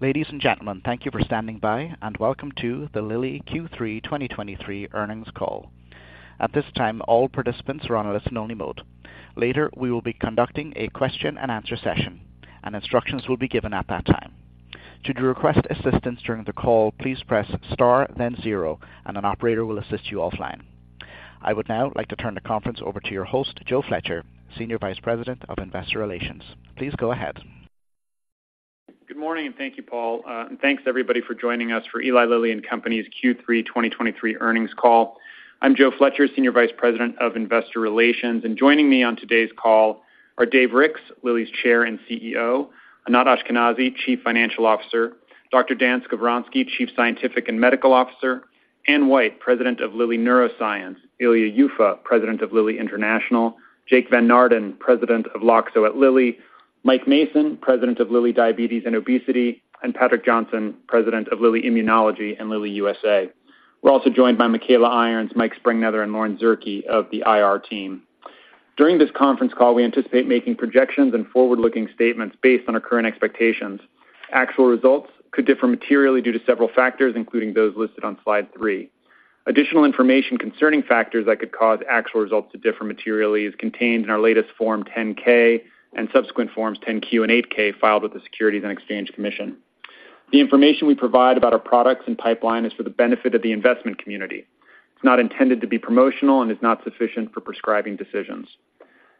Ladies and gentlemen, thank you for standing by, and welcome to the Lilly Q3 2023 earnings call. At this time, all participants are on a listen-only mode. Later, we will be conducting a question and answer session, and instructions will be given at that time. Should you request assistance during the call, please press Star, then zero, and an operator will assist you offline. I would now like to turn the conference over to your host, Joe Fletcher, Senior Vice President of Investor Relations. Please go ahead. Good morning, and thank you, Paul. Thanks, everybody, for joining us for Eli Lilly and Company's Q3 2023 earnings call. I'm Joe Fletcher, Senior Vice President of Investor Relations, and joining me on today's call are Dave Ricks, Lilly's Chair and CEO, Anat Ashkenazi, Chief Financial Officer, Dr. Dan Skovronsky, Chief Scientific and Medical Officer, Anne White, President of Lilly Neuroscience, Ilya Yuffa, President of Lilly International, Jake Van Naarden, President of Loxo at Lilly, Mike Mason, President of Lilly Diabetes and Obesity, and Patrick Jonsson, President of Lilly Immunology and Lilly USA. We're also joined by Michaela Irons, Mike Springnether, and Lauren Zierke of the IR team. During this conference call, we anticipate making projections and forward-looking statements based on our current expectations. Actual results could differ materially due to several factors, including those listed on slide three. Additional information concerning factors that could cause actual results to differ materially is contained in our latest Form 10-K and subsequent Forms 10-Q and 8-K filed with the Securities and Exchange Commission. The information we provide about our products and pipeline is for the benefit of the investment community. It's not intended to be promotional and is not sufficient for prescribing decisions.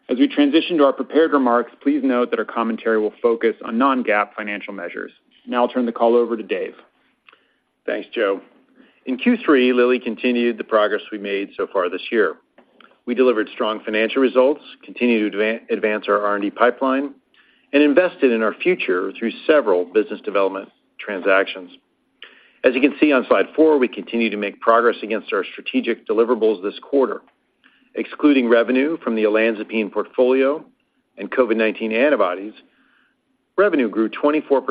As we transition to our prepared remarks, please note that our commentary will focus on non-GAAP financial measures. Now I'll turn the call over to Dave. Thanks, Joe. In Q3, Lilly continued the progress we made so far this year. We delivered strong financial results, continued to advance our R&D pipeline, and invested in our future through several business development transactions. As you can see on slide four, we continue to make progress against our strategic deliverables this quarter. Excluding revenue from the olanzapine portfolio and COVID-19 antibodies, revenue grew 24%.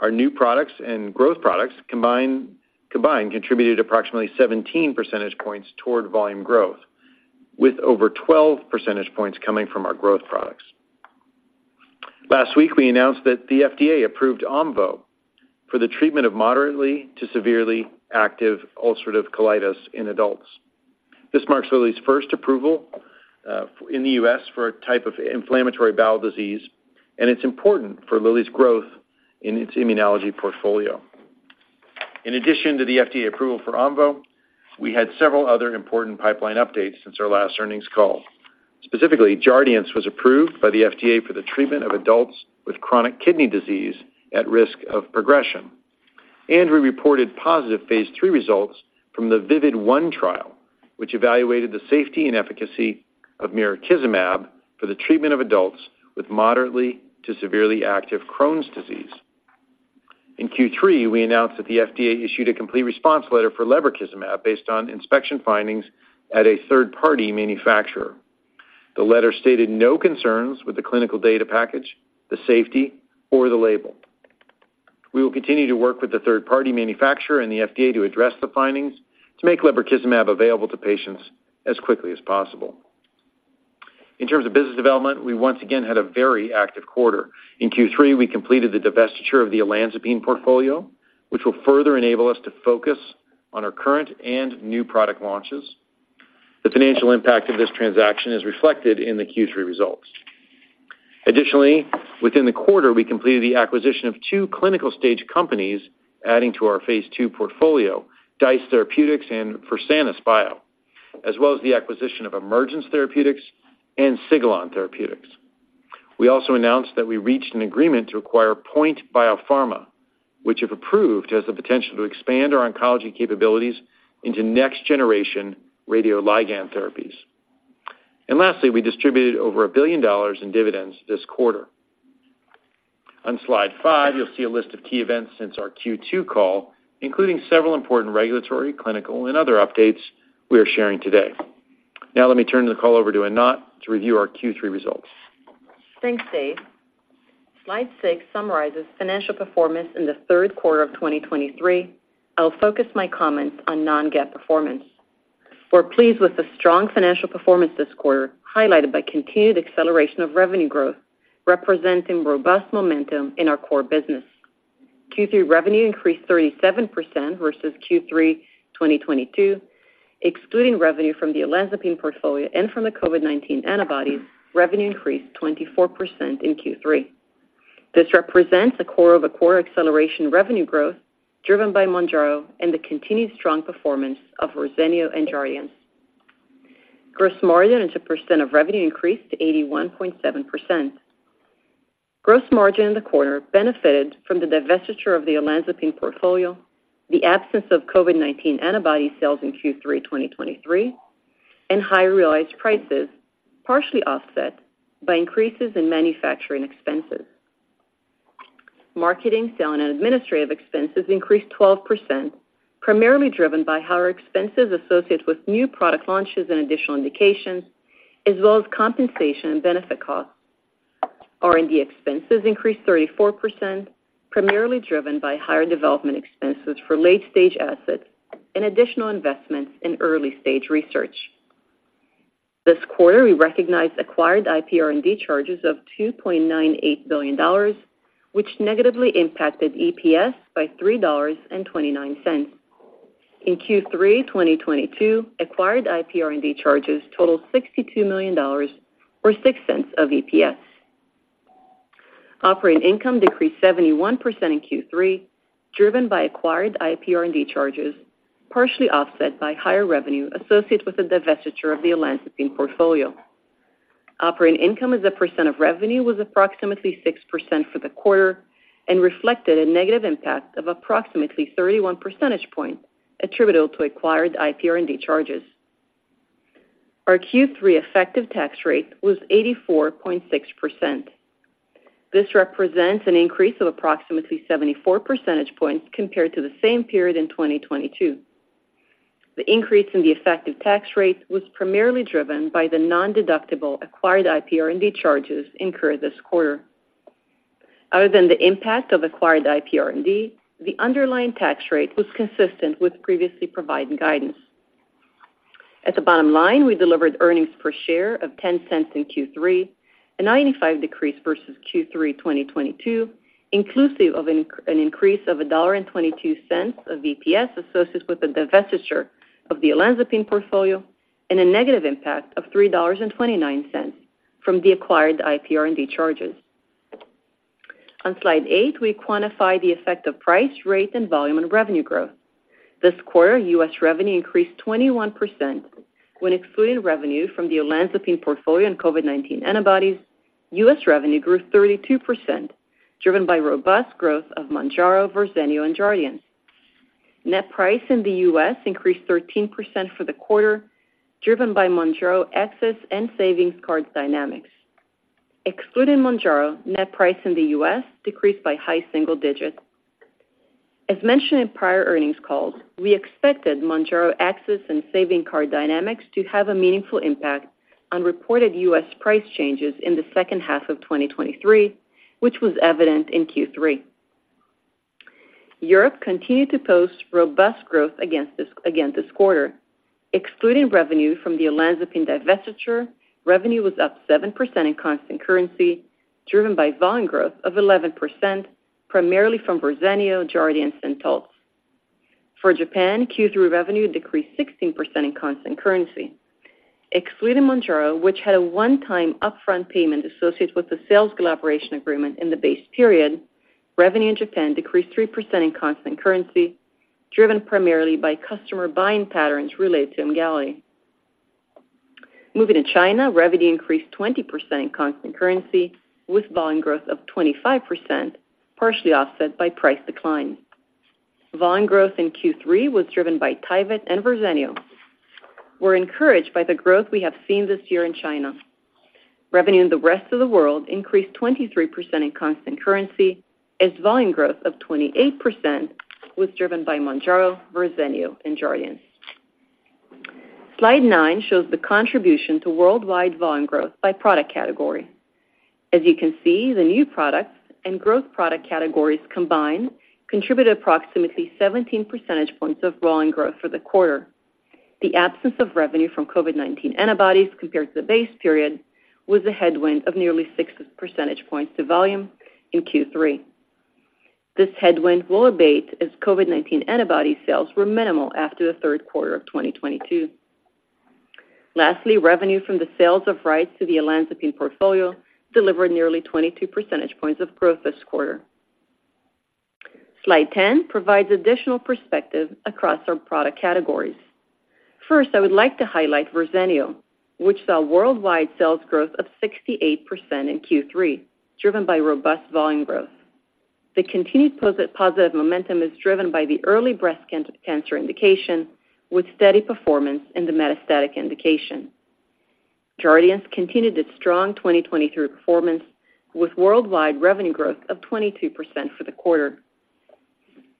Our new products and growth products combined contributed approximately 17 percentage points toward volume growth, with over 12 percentage points coming from our growth products. Last week, we announced that the FDA approved Omvoh for the treatment of moderately to severely active ulcerative colitis in adults. This marks Lilly's first approval in the U.S. for a type of inflammatory bowel disease, and it's important for Lilly's growth in its immunology portfolio. In addition to the FDA approval for Omvoh, we had several other important pipeline updates since our last earnings call. Specifically, Jardiance was approved by the FDA for the treatment of adults with chronic kidney disease at risk of progression. We reported positive phase III results from the VIVID-1 trial, which evaluated the safety and efficacy of mirikizumab for the treatment of adults with moderately to severely active Crohn's disease. In Q3, we announced that the FDA issued a complete response letter for lebrikizumab based on inspection findings at a third-party manufacturer. The letter stated no concerns with the clinical data package, the safety, or the label. We will continue to work with the third-party manufacturer and the FDA to address the findings to make lebrikizumab available to patients as quickly as possible. In terms of business development, we once again had a very active quarter. In Q3, we completed the divestiture of the olanzapine portfolio, which will further enable us to focus on our current and new product launches. The financial impact of this transaction is reflected in the Q3 results. Additionally, within the quarter, we completed the acquisition of two clinical stage companies, adding to our phase II portfolio, DICE Therapeutics and Versanis Bio, as well as the acquisition of Emergence Therapeutics and Sigilon Therapeutics. We also announced that we reached an agreement to acquire Point Biopharma, which, if approved, has the potential to expand our oncology capabilities into next-generation radioligand therapies. Lastly, we distributed over $1 billion in dividends this quarter. On slide five, you'll see a list of key events since our Q2 call, including several important regulatory, clinical, and other updates we are sharing today. Now let me turn the call over to Anat to review our Q3 results. Thanks, Dave. Slide six summarizes financial performance in the third quarter of 2023. I'll focus my comments on non-GAAP performance. We're pleased with the strong financial performance this quarter, highlighted by continued acceleration of revenue growth, representing robust momentum in our core business. Q3 revenue increased 37% versus Q3 2022, excluding revenue from the olanzapine portfolio and from the COVID-19 antibodies, revenue increased 24% in Q3. This represents a core of a core acceleration revenue growth driven by Mounjaro and the continued strong performance of Verzenio and Jardiance. Gross margin as a percent of revenue increased to 81.7%. Gross margin in the quarter benefited from the divestiture of the olanzapine portfolio, the absence of COVID-19 antibody sales in Q3 2023, and higher realized prices, partially offset by increases in manufacturing expenses. Marketing, sales, and administrative expenses increased 12%, primarily driven by higher expenses associated with new product launches and additional indications, as well as compensation and benefit costs. R&D expenses increased 34%, primarily driven by higher development expenses for late-stage assets and additional investments in early-stage research. This quarter, we recognized acquired IPR&D charges of $2.98 billion, which negatively impacted EPS by $3.29. In Q3 2022, acquired IPR&D charges totaled $62 million, or $0.06 of EPS. Operating income decreased 71% in Q3, driven by acquired IPR&D charges, partially offset by higher revenue associated with the divestiture of the olanzapine portfolio. Operating income as a percent of revenue was approximately 6% for the quarter and reflected a negative impact of approximately 31 percentage points, attributable to acquired IPR&D charges. Our Q3 effective tax rate was 84.6%. This represents an increase of approximately 74 percentage points compared to the same period in 2022. The increase in the effective tax rate was primarily driven by the nondeductible acquired IPR&D charges incurred this quarter. Other than the impact of acquired IPR&D, the underlying tax rate was consistent with previously provided guidance. At the bottom line, we delivered earnings per share of $0.10 in Q3, a 95% decrease versus Q3 2022, inclusive of an increase of $1.22 of EPS associated with the divestiture of the olanzapine portfolio, and a negative impact of $3.29 from the acquired IPR&D charges. On slide eight, we quantify the effect of price, rate, and volume on revenue growth. This quarter, US revenue increased 21%. When excluding revenue from the olanzapine portfolio and COVID-19 antibodies, U.S. revenue grew 32%, driven by robust growth of Mounjaro, Verzenio, and Jardiance. Net price in the U.S. increased 13% for the quarter, driven by Mounjaro access and savings card dynamics. Excluding Mounjaro, net price in the U.S. decreased by high single digits. As mentioned in prior earnings calls, we expected Mounjaro access and saving card dynamics to have a meaningful impact on reported U.S. price changes in the second half of 2023, which was evident in Q3. Europe continued to post robust growth against this, again this quarter. Excluding revenue from the olanzapine divestiture, revenue was up 7% in constant currency, driven by volume growth of 11%, primarily from Verzenio, Jardiance, and Taltz. For Japan, Q3 revenue decreased 16% in constant currency. Excluding Mounjaro, which had a one-time upfront payment associated with the sales collaboration agreement in the base period, revenue in Japan decreased 3% in constant currency, driven primarily by customer buying patterns related to Olumiant. Moving to China, revenue increased 20% in constant currency, with volume growth of 25%, partially offset by price decline. Volume growth in Q3 was driven by Tyvyt and Verzenio. We're encouraged by the growth we have seen this year in China. Revenue in the rest of the world increased 23% in constant currency, as volume growth of 28% was driven by Mounjaro, Verzenio, and Jardiance. Slide nine shows the contribution to worldwide volume growth by product category. As you can see, the new products and growth product categories combined contributed approximately 17 percentage points of volume growth for the quarter. The absence of revenue from COVID-19 antibodies compared to the base period was a headwind of nearly 6 percentage points to volume in Q3. This headwind will abate as COVID-19 antibody sales were minimal after the third quarter of 2022. Lastly, revenue from the sales of rights to the olanzapine portfolio delivered nearly 22 percentage points of growth this quarter. Slide 10 provides additional perspective across our product categories. First, I would like to highlight Verzenio, which saw worldwide sales growth of 68% in Q3, driven by robust volume growth. The continued positive momentum is driven by the early breast cancer indication, with steady performance in the metastatic indication. Jardiance continued its strong 2023 performance, with worldwide revenue growth of 22% for the quarter.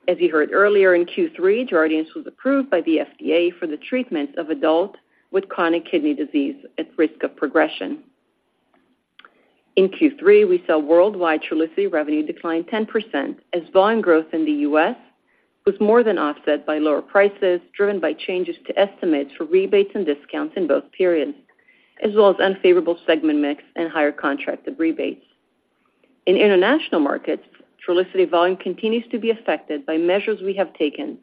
As you heard earlier, in Q3, Jardiance was approved by the FDA for the treatment of adults with chronic kidney disease at risk of progression. In Q3, we saw worldwide Trulicity revenue decline 10%, as volume growth in the U.S. was more than offset by lower prices, driven by changes to estimates for rebates and discounts in both periods, as well as unfavorable segment mix and higher contracted rebates. In international markets, Trulicity volume continues to be affected by measures we have taken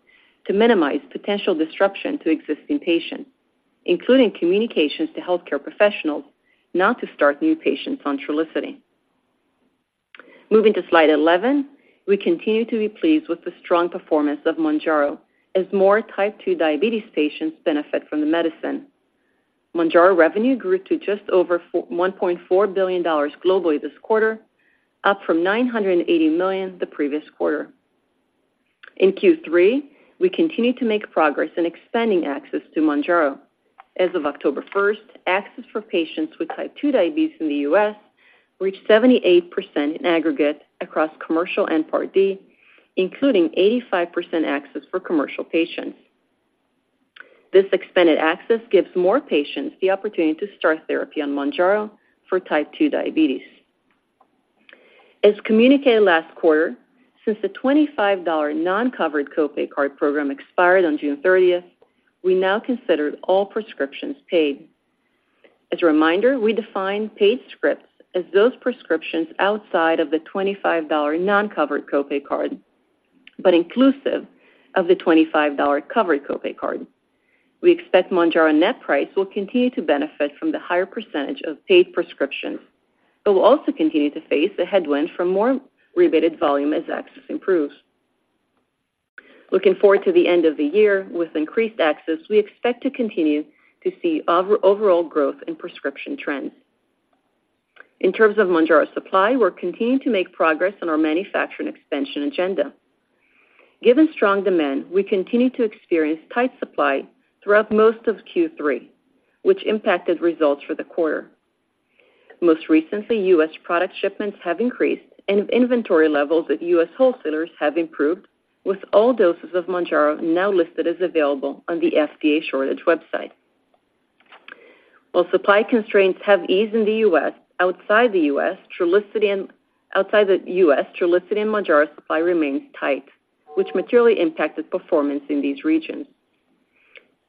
to minimize potential disruption to existing patients, including communications to healthcare professionals, not to start new patients on Trulicity. Moving to slide 11, we continue to be pleased with the strong performance of Mounjaro, as more type 2 diabetes patients benefit from the medicine. Mounjaro revenue grew to just over $1.4 billion globally this quarter, up from $980 million the previous quarter. In Q3, we continued to make progress in expanding access to Mounjaro. As of October 1, access for patients with type 2 diabetes in the U.S. reached 78% in aggregate across commercial and Part D, including 85% access for commercial patients. This expanded access gives more patients the opportunity to start therapy on Mounjaro for type 2 diabetes.... As communicated last quarter, since the $25 non-covered copay card program expired on June 30, we now considered all prescriptions paid. As a reminder, we define paid scripts as those prescriptions outside of the $25 non-covered copay card, but inclusive of the $25 covered copay card. We expect Mounjaro net price will continue to benefit from the higher percentage of paid prescriptions, but will also continue to face a headwind from more rebated volume as access improves. Looking forward to the end of the year, with increased access, we expect to continue to see overall growth in prescription trends. In terms of Mounjaro supply, we're continuing to make progress on our manufacturing expansion agenda. Given strong demand, we continued to experience tight supply throughout most of Q3, which impacted results for the quarter. Most recently, U.S. product shipments have increased and inventory levels at U.S. wholesalers have improved, with all doses of Mounjaro now listed as available on the FDA shortage website. While supply constraints have eased in the U.S., outside the U.S., Trulicity and Mounjaro supply remains tight, which materially impacted performance in these regions.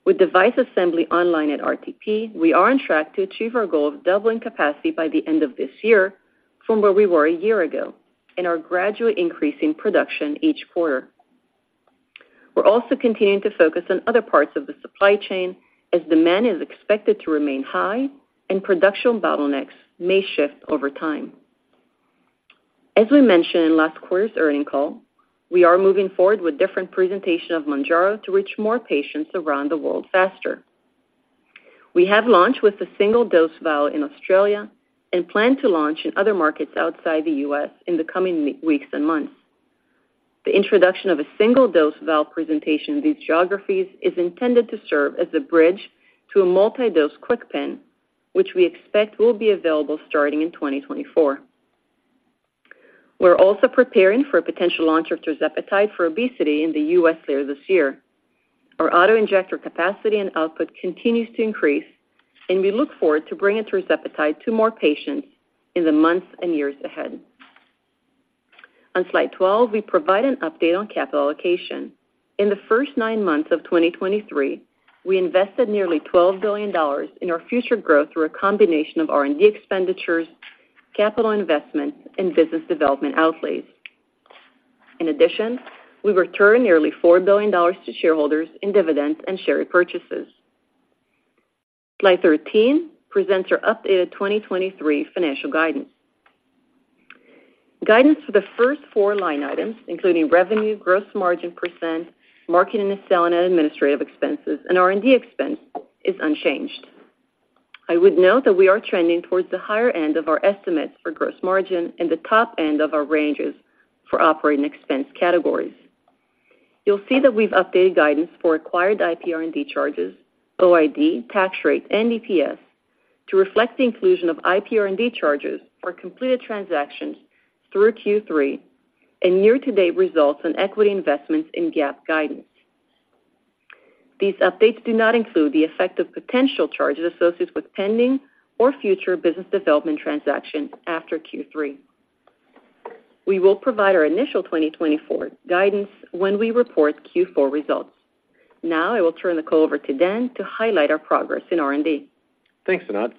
With device assembly online at RTP, we are on track to achieve our goal of doubling capacity by the end of this year from where we were a year ago and are gradually increasing production each quarter. We're also continuing to focus on other parts of the supply chain as demand is expected to remain high and production bottlenecks may shift over time. As we mentioned in last quarter's earnings call, we are moving forward with different presentation of Mounjaro to reach more patients around the world faster. We have launched with a single-dose vial in Australia and plan to launch in other markets outside the U.S. in the coming weeks and months. The introduction of a single-dose vial presentation in these geographies is intended to serve as a bridge to a multi-dose KwikPen, which we expect will be available starting in 2024. We're also preparing for a potential launch of tirzepatide for obesity in the U.S. later this year. Our auto injector capacity and output continues to increase, and we look forward to bringing tirzepatide to more patients in the months and years ahead. On slide 12, we provide an update on capital allocation. In the first 9 months of 2023, we invested nearly $12 billion in our future growth through a combination of R&D expenditures, capital investments, and business development outlays. In addition, we returned nearly $4 billion to shareholders in dividends and share repurchases. Slide 13 presents our updated 2023 financial guidance. Guidance for the first 4 line items, including revenue, gross margin %, marketing and selling and administrative expenses, and R&D expense, is unchanged. I would note that we are trending towards the higher end of our estimates for gross margin and the top end of our ranges for operating expense categories. You'll see that we've updated guidance for acquired IPR&D charges, OID, tax rate, and EPS to reflect the inclusion of IPR&D charges for completed transactions through Q3 and year-to-date results on equity investments in GAAP guidance. These updates do not include the effect of potential charges associated with pending or future business development transactions after Q3. We will provide our initial 2024 guidance when we report Q4 results. Now, I will turn the call over to Dan to highlight our progress in R&D. Thanks, Vinod.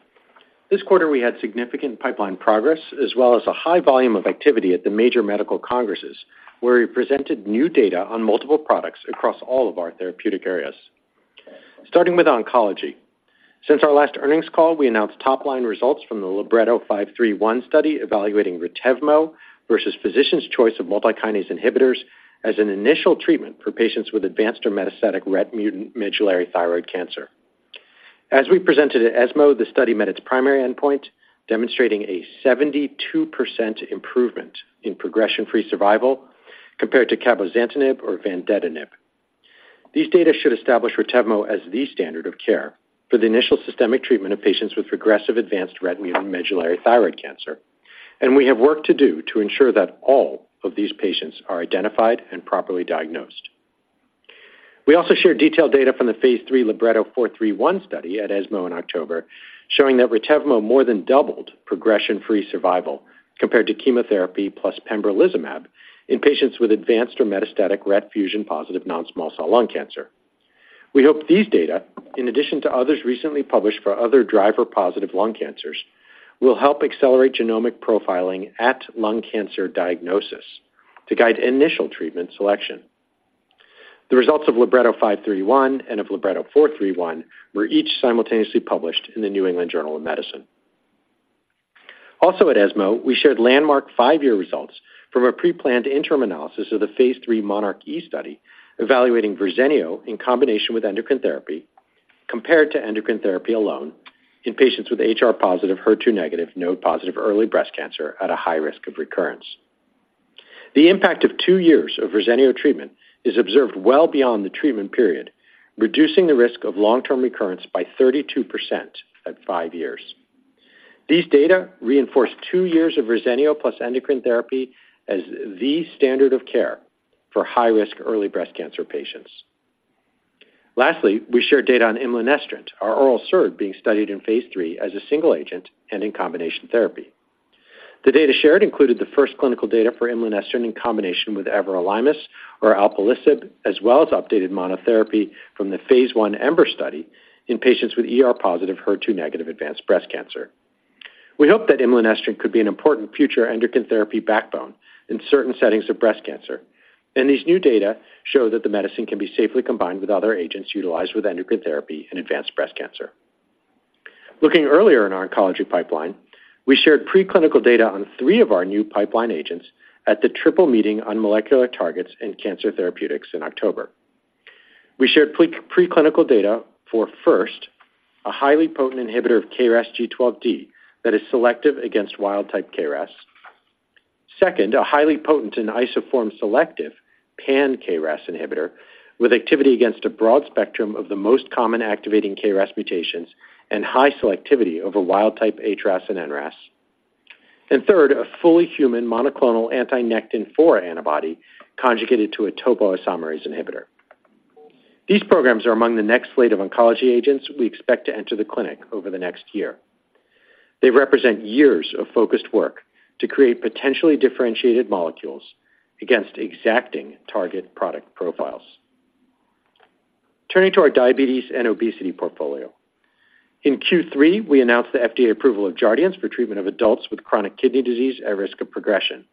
This quarter, we had significant pipeline progress, as well as a high volume of activity at the major medical congresses, where we presented new data on multiple products across all of our therapeutic areas. Starting with oncology. Since our last earnings call, we announced top-line results from the LIBRETTO-531 study, evaluating Retevmo versus physician's choice of multikinase inhibitors as an initial treatment for patients with advanced or metastatic RET mutant medullary thyroid cancer. As we presented at ESMO, the study met its primary endpoint, demonstrating a 72% improvement in progression-free survival compared to cabozantinib or vandetanib. These data should establish Retevmo as the standard of care for the initial systemic treatment of patients with progressive advanced RET mutant medullary thyroid cancer, and we have work to do to ensure that all of these patients are identified and properly diagnosed. We also shared detailed data from the phase III LIBRETTO-431 study at ESMO in October, showing that Retevmo more than doubled progression-free survival compared to chemotherapy plus pembrolizumab in patients with advanced or metastatic RET fusion-positive non-small cell lung cancer. We hope these data, in addition to others recently published for other driver-positive lung cancers, will help accelerate genomic profiling at lung cancer diagnosis to guide initial treatment selection. The results of LIBRETTO-531 and of LIBRETTO-431 were each simultaneously published in the New England Journal of Medicine. Also at ESMO, we shared landmark five-year results from a preplanned interim analysis of the phase III MONARCH-E study, evaluating Verzenio in combination with endocrine therapy, compared to endocrine therapy alone in patients with HR-positive, HER2-negative, node-positive early breast cancer at a high risk of recurrence. The impact of two years of Verzenio treatment is observed well beyond the treatment period, reducing the risk of long-term recurrence by 32% at five years. These data reinforce two years of Verzenio plus endocrine therapy as the standard of care for high-risk early breast cancer patients.... Lastly, we shared data on imlinestrant, our oral SERD being studied in phase III as a single agent and in combination therapy. The data shared included the first clinical data for imlinestrant in combination with everolimus or alpelisib, as well as updated monotherapy from the phase I EMBER study in patients with ER-positive, HER2-negative advanced breast cancer. We hope that imlinestrant could be an important future endocrine therapy backbone in certain settings of breast cancer, and these new data show that the medicine can be safely combined with other agents utilized with endocrine therapy in advanced breast cancer. Looking earlier in our oncology pipeline, we shared preclinical data on three of our new pipeline agents at the Triple Meeting on Molecular Targets in Cancer Therapeutics in October. We shared preclinical data for, first, a highly potent inhibitor of KRAS G12D that is selective against wild-type KRAS. Second, a highly potent and isoform-selective pan-KRAS inhibitor with activity against a broad spectrum of the most common activating KRAS mutations and high selectivity over wild-type HRAS and NRAS. And third, a fully human monoclonal anti-Nectin-4 antibody conjugated to a topoisomerase inhibitor. These programs are among the next slate of oncology agents we expect to enter the clinic over the next year. They represent years of focused work to create potentially differentiated molecules against exacting target product profiles. Turning to our diabetes and obesity portfolio. In Q3, we announced the FDA approval of Jardiance for treatment of adults with chronic kidney disease at risk of progression.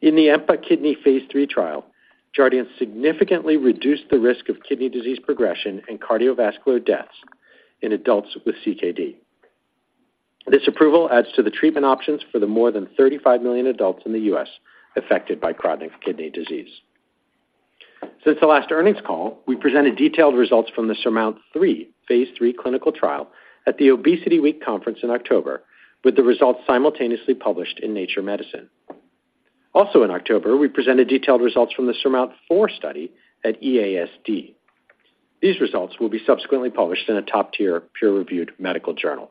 In the EMPA-KIDNEY phase III trial, Jardiance significantly reduced the risk of kidney disease progression and cardiovascular deaths in adults with CKD. This approval adds to the treatment options for the more than 35 million adults in the U.S. affected by chronic kidney disease. Since the last earnings call, we presented detailed results from the SURMOUNT-3 phase III clinical trial at the Obesity Week conference in October, with the results simultaneously published in Nature Medicine. Also in October, we presented detailed results from the SURMOUNT-4 study at EASD. These results will be subsequently published in a top-tier, peer-reviewed medical journal.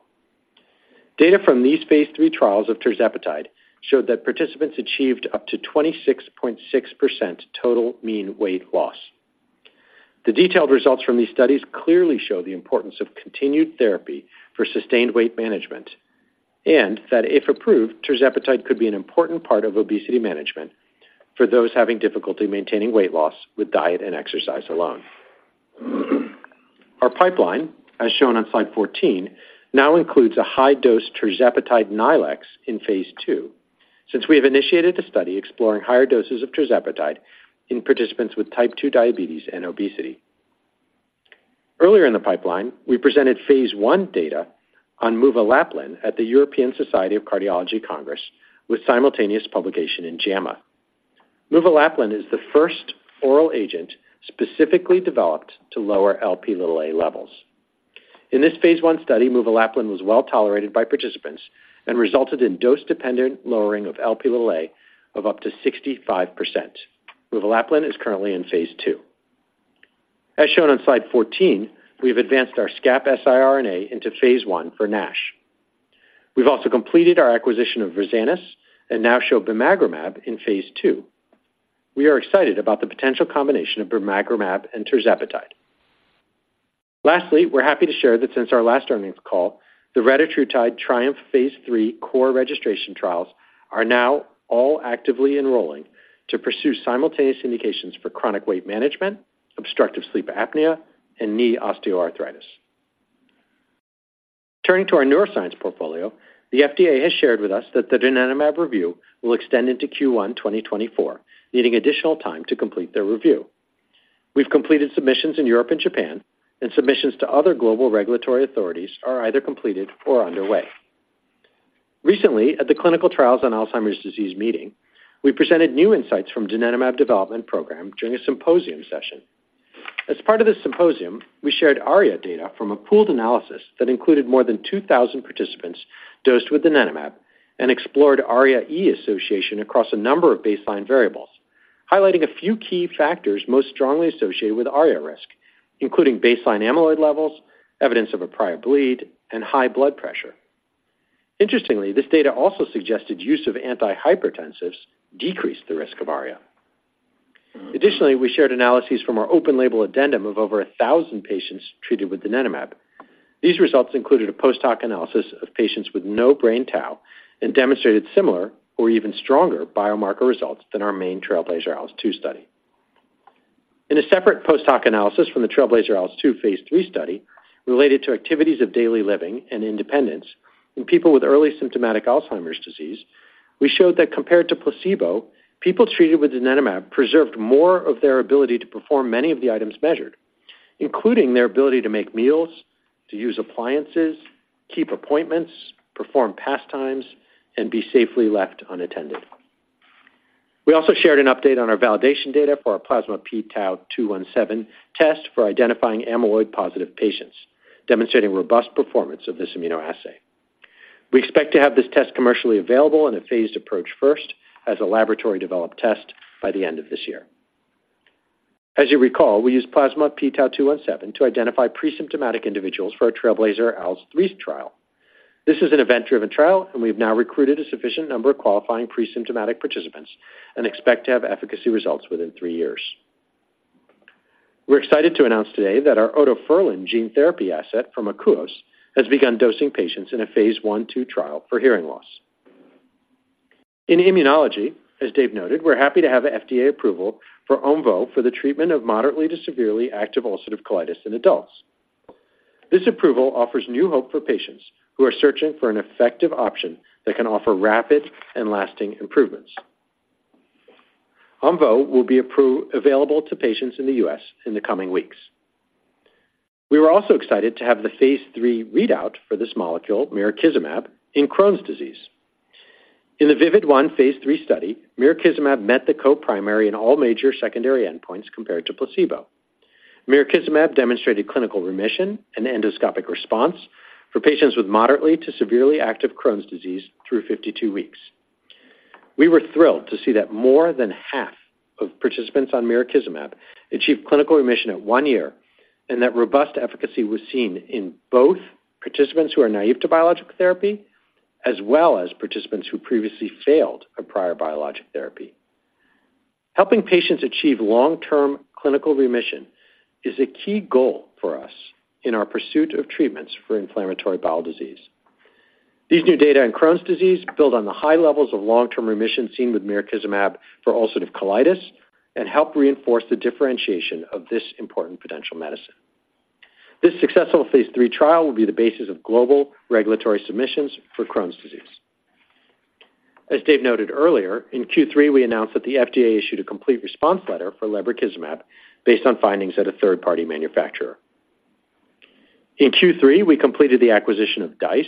Data from these phase III trials of tirzepatide showed that participants achieved up to 26.6% total mean weight loss. The detailed results from these studies clearly show the importance of continued therapy for sustained weight management and that, if approved, tirzepatide could be an important part of obesity management for those having difficulty maintaining weight loss with diet and exercise alone. Our pipeline, as shown on slide 14, now includes a high-dose tirzepatide newly in phase II since we have initiated a study exploring higher doses of tirzepatide in participants with type 2 diabetes and obesity. Earlier in the pipeline, we presented phase I data on muvalaplin at the European Society of Cardiology Congress, with simultaneous publication in JAMA. Muvalaplin is the first oral agent specifically developed to lower Lp(a) levels. In this phase I study, muvalaplin was well tolerated by participants and resulted in dose-dependent lowering of Lp(a) of up to 65%. Muvalaplin is currently in phase II. As shown on slide 14, we've advanced our SREBP siRNA into phase I for NASH. We've also completed our acquisition of Versanis and now show bemagrumab in phase II. We are excited about the potential combination of bemagrumab and tirzepatide. Lastly, we're happy to share that since our last earnings call, the retatrutide TRIUMPH phase III core registration trials are now all actively enrolling to pursue simultaneous indications for chronic weight management, obstructive sleep apnea, and knee osteoarthritis. Turning to our neuroscience portfolio, the FDA has shared with us that the donanemab review will extend into Q1 2024, needing additional time to complete their review. We've completed submissions in Europe and Japan, and submissions to other global regulatory authorities are either completed or underway. Recently, at the Clinical Trials on Alzheimer's Disease meeting, we presented new insights from donanemab development program during a symposium session. As part of the symposium, we shared ARIA data from a pooled analysis that included more than 2,000 participants dosed with donanemab and explored ARIA-E association across a number of baseline variables, highlighting a few key factors most strongly associated with ARIA risk, including baseline amyloid levels, evidence of a prior bleed, and high blood pressure. Interestingly, this data also suggested use of antihypertensives decreased the risk of ARIA. Additionally, we shared analyses from our open-label addendum of over 1,000 patients treated with donanemab. These results included a post-hoc analysis of patients with no brain tau and demonstrated similar or even stronger biomarker results than our main TRAILBLAZER-ALZ 2 study. In a separate post-hoc analysis from the Trailblazer-ALZ 2 phase III study, related to activities of daily living and independence in people with early symptomatic Alzheimer's disease, we showed that compared to placebo, people treated with donanemab preserved more of their ability to perform many of the items measured, including their ability to make meals, to use appliances, keep appointments, perform pastimes, and be safely left unattended. We also shared an update on our validation data for our plasma p-tau217 test for identifying amyloid-positive patients, demonstrating robust performance of this immunoassay. We expect to have this test commercially available in a phased approach first as a laboratory-developed test by the end of this year. As you recall, we use plasma p-tau217 to identify presymptomatic individuals for our Trailblazer-ALZ 3 trial.... This is an event-driven trial, and we've now recruited a sufficient number of qualifying pre-symptomatic participants and expect to have efficacy results within three years. We're excited to announce today that our otoferlin gene therapy asset from Akouos has begun dosing patients in a phase I/II trial for hearing loss. In immunology, as Dave noted, we're happy to have an FDA approval for Omvoh for the treatment of moderately to severely active ulcerative colitis in adults. This approval offers new hope for patients who are searching for an effective option that can offer rapid and lasting improvements. Omvoh will be available to patients in the U.S. in the coming weeks. We were also excited to have the phase III readout for this molecule, mirikizumab, in Crohn's disease. In the VIVID-1 phase III study, mirikizumab met the co-primary in all major secondary endpoints compared to placebo. Mirikizumab demonstrated clinical remission and endoscopic response for patients with moderately to severely active Crohn's disease through 52 weeks. We were thrilled to see that more than half of participants on mirikizumab achieved clinical remission at one year, and that robust efficacy was seen in both participants who are naive to biological therapy, as well as participants who previously failed a prior biologic therapy. Helping patients achieve long-term clinical remission is a key goal for us in our pursuit of treatments for inflammatory bowel disease. These new data on Crohn's disease build on the high levels of long-term remission seen with mirikizumab for ulcerative colitis and help reinforce the differentiation of this important potential medicine. This successful phase III trial will be the basis of global regulatory submissions for Crohn's disease. As Dave noted earlier, in Q3, we announced that the FDA issued a complete response letter for lebrikizumab based on findings at a third-party manufacturer. In Q3, we completed the acquisition of DICE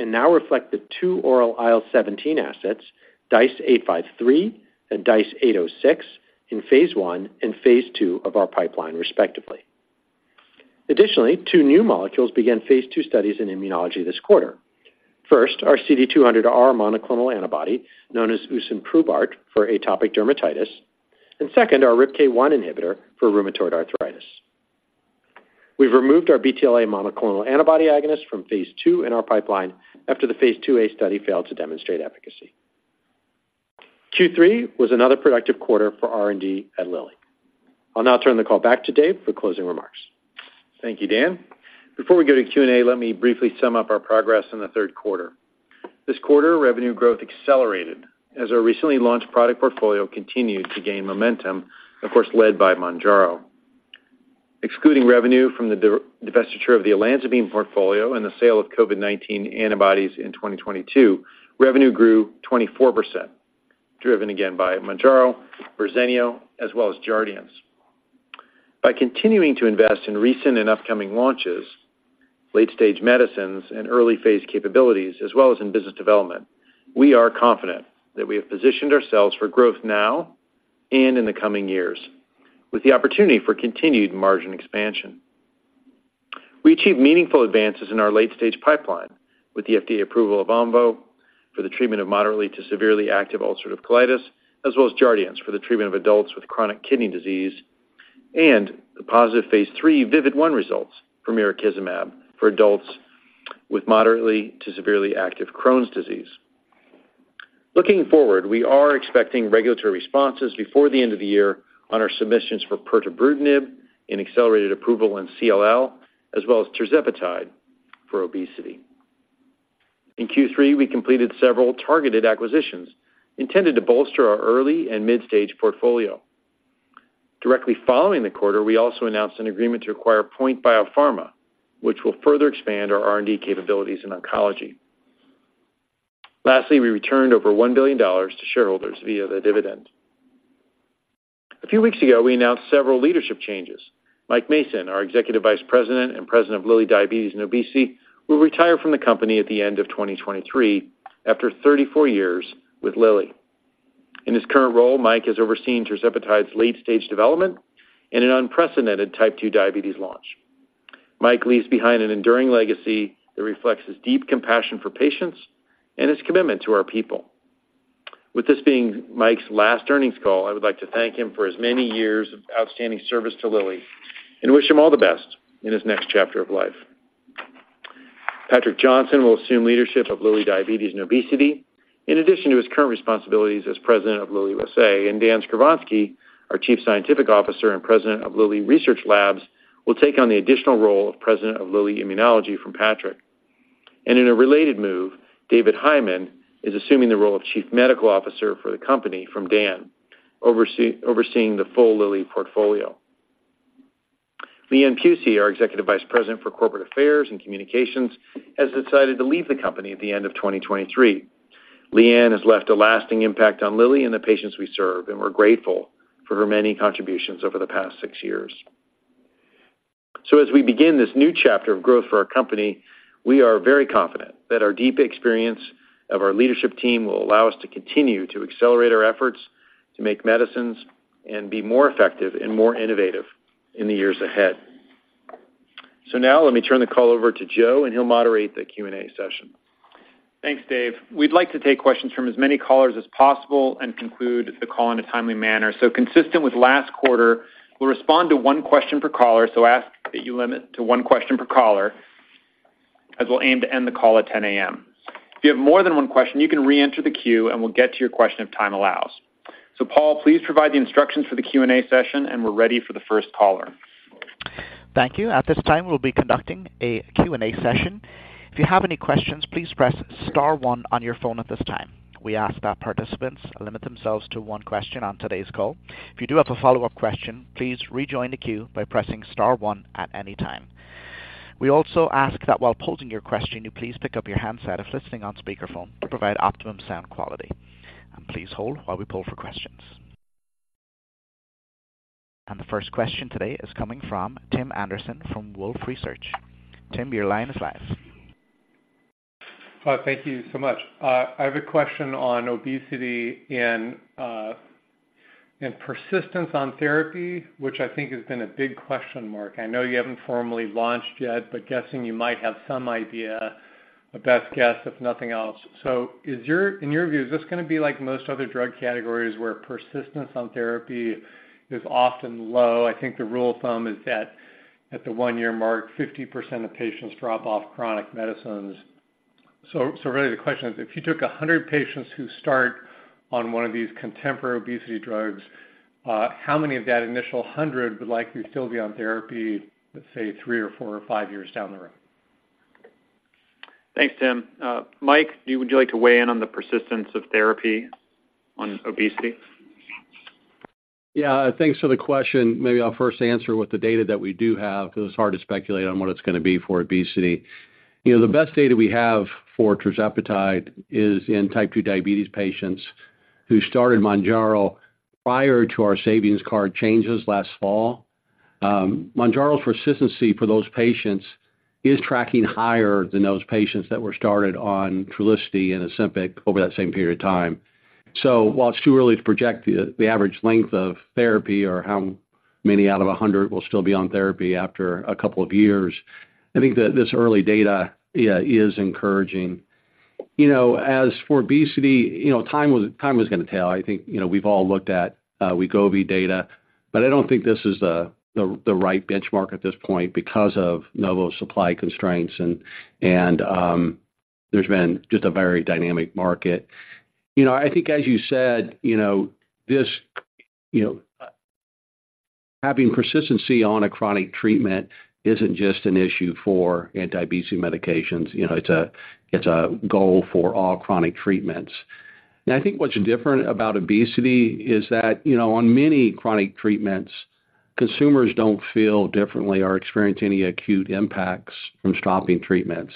and now reflect the two oral IL-seventeen assets, DICE-853 and DICE-806, in phase I and phase II of our pipeline, respectively. Additionally, two new molecules began phase II studies in immunology this quarter. First, our CD200R monoclonal antibody, known as usimbrubart, for atopic dermatitis, and second, our RIPK1 inhibitor for rheumatoid arthritis. We've removed our BTLA monoclonal antibody agonist from phase II in our pipeline after the phase IIa study failed to demonstrate efficacy. Q3 was another productive quarter for R&D at Lilly. I'll now turn the call back to Dave for closing remarks. Thank you, Dan. Before we go to Q&A, let me briefly sum up our progress in the third quarter. This quarter, revenue growth accelerated as our recently launched product portfolio continued to gain momentum, of course, led by Mounjaro. Excluding revenue from the divestiture of the olanzapine portfolio and the sale of COVID-19 antibodies in 2022, revenue grew 24%, driven again by Mounjaro, Verzenio, as well as Jardiance. By continuing to invest in recent and upcoming launches, late-stage medicines, and early phase capabilities, as well as in business development, we are confident that we have positioned ourselves for growth now and in the coming years, with the opportunity for continued margin expansion. We achieved meaningful advances in our late-stage pipeline with the FDA approval of Omvoh for the treatment of moderately to severely active ulcerative colitis, as well as Jardiance for the treatment of adults with chronic kidney disease, and the positive phase III VIVID-1 results for mirikizumab for adults with moderately to severely active Crohn's disease. Looking forward, we are expecting regulatory responses before the end of the year on our submissions for pirtobrutinib in accelerated approval in CLL, as well as tirzepatide for obesity. In Q3, we completed several targeted acquisitions intended to bolster our early and mid-stage portfolio. Directly following the quarter, we also announced an agreement to acquire Point Biopharma, which will further expand our R&D capabilities in oncology. Lastly, we returned over $1 billion to shareholders via the dividend. A few weeks ago, we announced several leadership changes. Mike Mason, our Executive Vice President and President of Lilly Diabetes and Obesity, will retire from the company at the end of 2023 after 34 years with Lilly. In his current role, Mike has overseen tirzepatide's late stage development and an unprecedented Type 2 diabetes launch. Mike leaves behind an enduring legacy that reflects his deep compassion for patients and his commitment to our people. With this being Mike's last earnings call, I would like to thank him for his many years of outstanding service to Lilly and wish him all the best in his next chapter of life. Patrick Jonsson will assume leadership of Lilly Diabetes and Obesity, in addition to his current responsibilities as President of Lilly USA, and Dan Skovronsky, our Chief Scientific Officer and President of Lilly Research Labs, will take on the additional role of President of Lilly Immunology from Patrick. In a related move, David Hyman is assuming the role of Chief Medical Officer for the company from Dan, overseeing the full Lilly portfolio. Leigh Ann Pusey, our Executive Vice President for Corporate Affairs and Communications, has decided to leave the company at the end of 2023. Leigh Ann has left a lasting impact on Lilly and the patients we serve, and we're grateful for her many contributions over the past six years. So as we begin this new chapter of growth for our company, we are very confident that our deep experience of our leadership team will allow us to continue to accelerate our efforts to make medicines and be more effective and more innovative in the years ahead. So now let me turn the call over to Joe, and he'll moderate the Q&A session. Thanks, Dave. We'd like to take questions from as many callers as possible and conclude the call in a timely manner. So consistent with last quarter, we'll respond to one question per caller, so ask that you limit to one question per caller, as we'll aim to end the call at 10 A.M. If you have more than one question, you can reenter the queue, and we'll get to your question if time allows. So Paul, please provide the instructions for the Q&A session, and we're ready for the first caller. Thank you. At this time, we'll be conducting a Q&A session. If you have any questions, please press star one on your phone at this time. We ask that participants limit themselves to one question on today's call. If you do have a follow-up question, please rejoin the queue by pressing star one at any time. We also ask that while posing your question, you please pick up your handset if listening on speakerphone to provide optimum sound quality. Please hold while we poll for questions. The first question today is coming from Tim Anderson from Wolfe Research. Tim, your line is live. Thank you so much. I have a question on obesity and, and persistence on therapy, which I think has been a big question mark. I know you haven't formally launched yet, but guessing you might have some idea, a best guess, if nothing else. So is your-- in your view, is this going to be like most other drug categories, where persistence on therapy is often low? I think the rule of thumb is that at the 1-year mark, 50% of patients drop off chronic medicines. So, so really, the question is, if you took 100 patients who start on one of these contemporary obesity drugs, how many of that initial 100 would likely still be on therapy, let's say, three or four or five years down the road? Thanks, Tim. Mike, would you like to weigh in on the persistence of therapy on obesity? Yeah, thanks for the question. Maybe I'll first answer with the data that we do have, because it's hard to speculate on what it's going to be for obesity. You know, the best data we have for tirzepatide is in type 2 diabetes patients who started Mounjaro prior to our savings card changes last fall. Mounjaro's persistency for those patients is tracking higher than those patients that were started on Trulicity and Ozempic over that same period of time. So while it's too early to project the average length of therapy or how many out of 100 will still be on therapy after a couple of years, I think that this early data, yeah, is encouraging. You know, as for obesity, you know, time is going to tell. I think, you know, we've all looked at Wegovy data, but I don't think this is the right benchmark at this point because of Novo supply constraints and there's been just a very dynamic market. You know, I think as you said, you know, this, you know, having persistency on a chronic treatment isn't just an issue for anti-obesity medications. You know, it's a, it's a goal for all chronic treatments. And I think what's different about obesity is that, you know, on many chronic treatments, consumers don't feel differently or experience any acute impacts from stopping treatments.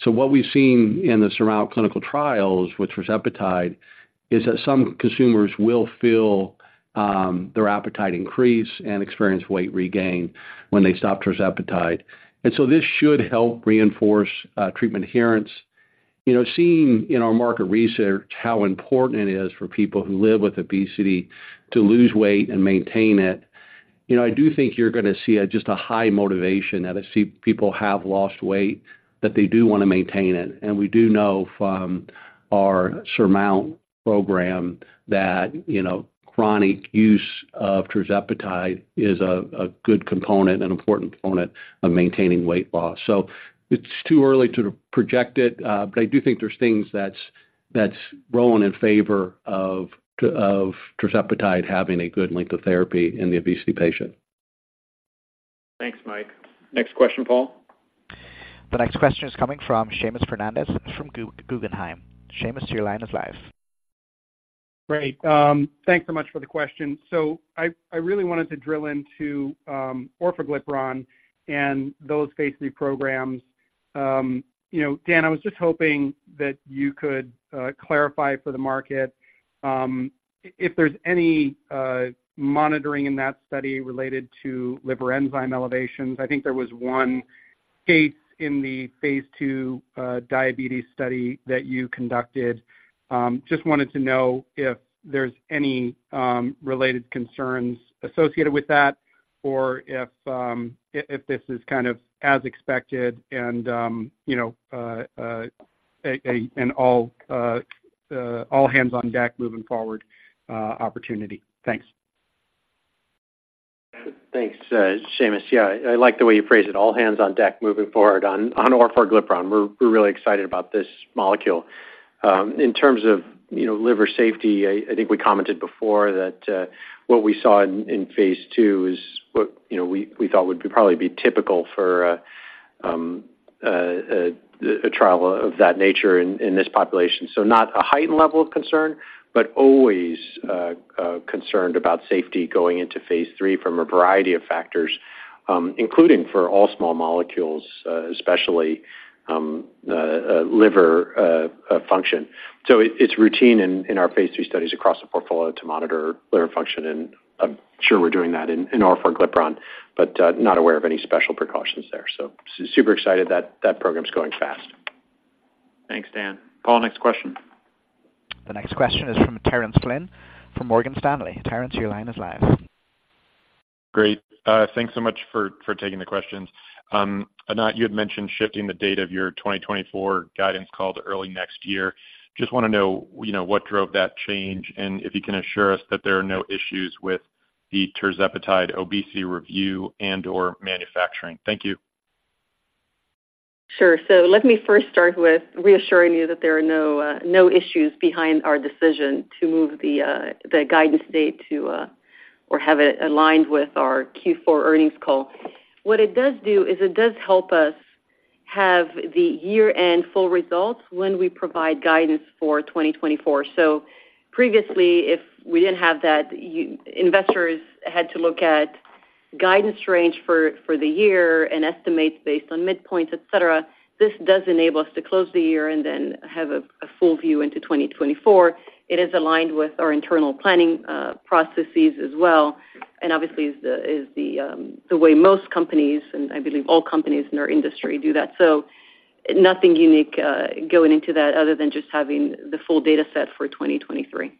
So what we've seen in the SURMOUNT clinical trials, which was tirzepatide, is that some consumers will feel their appetite increase and experience weight regain when they stop tirzepatide. And so this should help reinforce treatment adherence. You know, seeing in our market research how important it is for people who live with obesity to lose weight and maintain it, you know, I do think you're going to see a, just a high motivation, as I see people have lost weight, that they do want to maintain it. And we do know from our SURMOUNT program that, you know, chronic use of tirzepatide is a, a good component, an important component of maintaining weight loss. So it's too early to project it, but I do think there's things that that's rolling in favor of tirzepatide having a good length of therapy in the obesity patient. Thanks, Mike. Next question, Paul. The next question is coming from Seamus Fernandez from Guggenheim. Seamus, your line is live. Great. Thanks so much for the question. So I, I really wanted to drill into, orforglipron and those phase III programs. You know, Dan, I was just hoping that you could clarify for the market, if there's any monitoring in that study related to liver enzyme elevations. I think there was one case in the phase II diabetes study that you conducted. Just wanted to know if there's any related concerns associated with that, or if this is kind of as expected and, you know, an all hands on deck moving forward opportunity. Thanks. Thanks, Seamus. Yeah, I like the way you phrase it, all hands on deck moving forward on orforglipron. We're really excited about this molecule. In terms of, you know, liver safety, I think we commented before that what we saw in phase II is what, you know, we thought would probably be typical for a trial of that nature in this population. So not a heightened level of concern, but always concerned about safety going into phase III from a variety of factors, including for all small molecules, especially liver function. So it's routine in our phase III studies across the portfolio to monitor liver function, and I'm sure we're doing that in orforglipron, but not aware of any special precautions there. So super excited that that program is going fast. Thanks, Dan. Paul, next question. The next question is from Terence Flynn from Morgan Stanley. Terence, your line is live. Great. Thanks so much for taking the questions. Anat, you had mentioned shifting the date of your 2024 guidance call to early next year. Just want to know, you know, what drove that change, and if you can assure us that there are no issues with the tirzepatide obesity review and/or manufacturing. Thank you. Sure. So let me first start with reassuring you that there are no, no issues behind our decision to move the, the guidance date to, or have it aligned with our Q4 earnings call. What it does do, is it does help us have the year-end full results when we provide guidance for 2024. So previously, if we didn't have that, you, investors had to look at guidance range for, for the year and estimates based on midpoints, et cetera. This does enable us to close the year and then have a full view into 2024. It is aligned with our internal planning, processes as well, and obviously is the, is the, the way most companies, and I believe all companies in our industry, do that. So nothing unique going into that other than just having the full data set for 2023.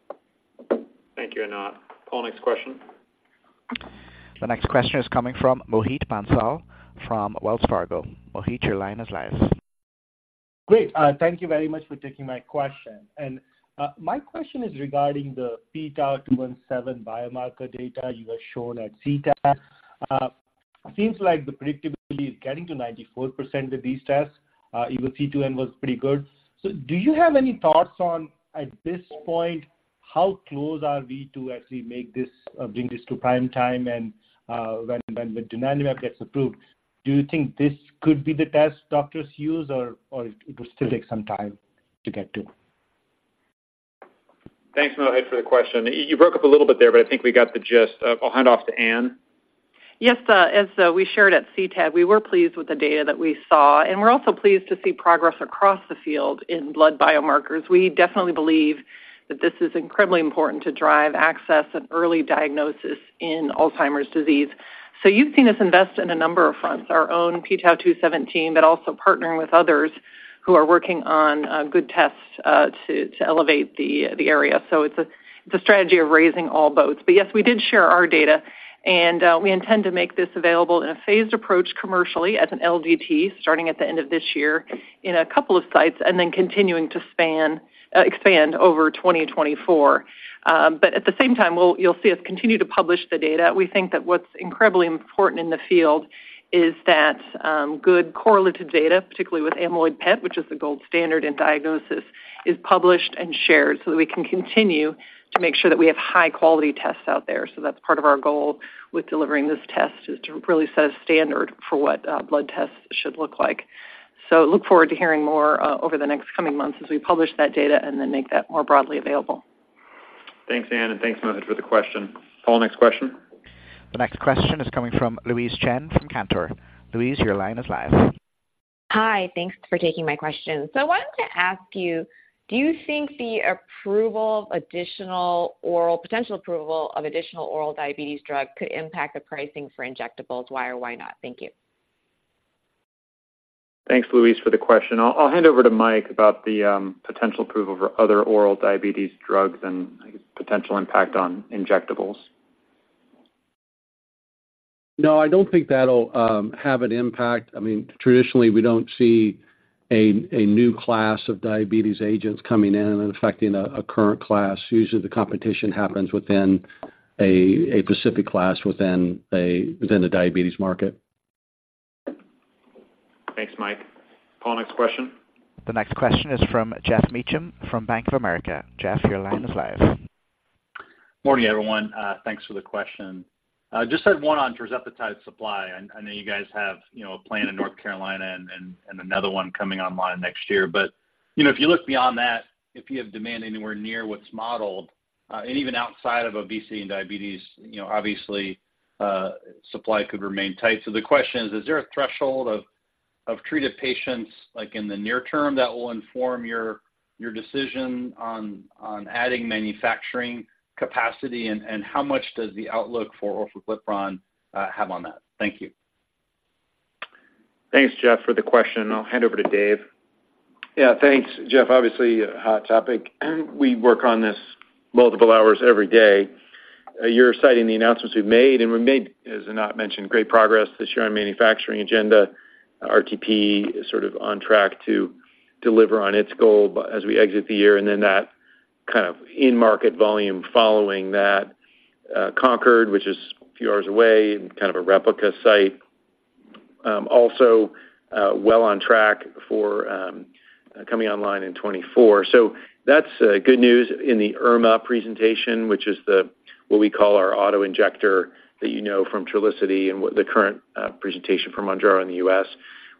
Thank you, Anat. Paul, next question. The next question is coming from Mohit Bansal from Wells Fargo. Mohit, your line is live. Great. Thank you very much for taking my question. And, my question is regarding the p-tau217 biomarker data you have shown at CTAD. Seems like the predictability is getting to 94% with these tests. Even C2N was pretty good. So do you have any thoughts on, at this point, how close are we to actually make this, bring this to prime time? And, when, when donanemab gets approved, do you think this could be the test doctors use, or, or it will still take some time to get to? Thanks, Mohit, for the question. You broke up a little bit there, but I think we got the gist. I'll hand off to Anne. Yes, as we shared at CTAD, we were pleased with the data that we saw, and we're also pleased to see progress across the field in blood biomarkers. We definitely believe that this is incredibly important to drive access and early diagnosis in Alzheimer's disease. So you've seen us invest in a number of fronts, our own p-tau217, but also partnering with others who are working on good tests to elevate the area. So it's a strategy of raising all boats. But yes, we did share our data, and we intend to make this available in a phased approach commercially as an LDT, starting at the end of this year in a couple of sites, and then continuing to expand over 2024. But at the same time, we'll, you'll see us continue to publish the data. We think that what's incredibly important in the field is that good correlative data, particularly with amyloid PET, which is the gold standard in diagnosis, is published and shared, so that we can continue to make sure that we have high-quality tests out there. So that's part of our goal with delivering this test, is to really set a standard for what blood tests should look like. So look forward to hearing more over the next coming months as we publish that data and then make that more broadly available. Thanks, Anne, and thanks, Mohit, for the question. Paul, next question? The next question is coming from Louise Chen from Cantor. Louise, your line is live. Hi, thanks for taking my question. So I wanted to ask you, do you think the potential approval of additional oral diabetes drug could impact the pricing for injectables? Why or why not? Thank you. Thanks, Louise, for the question. I'll hand over to Mike about the potential approval for other oral diabetes drugs and potential impact on injectables. No, I don't think that'll have an impact. I mean, traditionally, we don't see a new class of diabetes agents coming in and affecting a current class. Usually, the competition happens within a specific class within the diabetes market. Thanks, Mike. Paul, next question. The next question is from Geoff Meacham from Bank of America. Jeff, your line is live. Morning, everyone. Thanks for the question. I just had one on tirzepatide supply. I know you guys have, you know, a plant in North Carolina and another one coming online next year, but, you know, if you look beyond that, if you have demand anywhere near what's modeled, and even outside of obesity and diabetes, you know, obviously, supply could remain tight. So the question is: Is there a threshold of treated patients, like, in the near term, that will inform your decision on adding manufacturing capacity? And how much does the outlook for orforglipron have on that? Thank you. Thanks, Jeff, for the question. I'll hand over to Dave. Yeah, thanks, Jeff. Obviously, a hot topic. We work on this multiple hours every day. You're citing the announcements we've made, and we've made, as Anat mentioned, great progress this year on manufacturing agenda. RTP is sort of on track to deliver on its goal by, as we exit the year, and then that kind of in-market volume following that. Concord, which is a few hours away and kind of a replica site, also, well on track for, coming online in 2024. So that's, good news in the autoinjector presentation, which is the, what we call our auto-injector, that you know from Trulicity and what the current, presentation from Mounjaro in the U.S.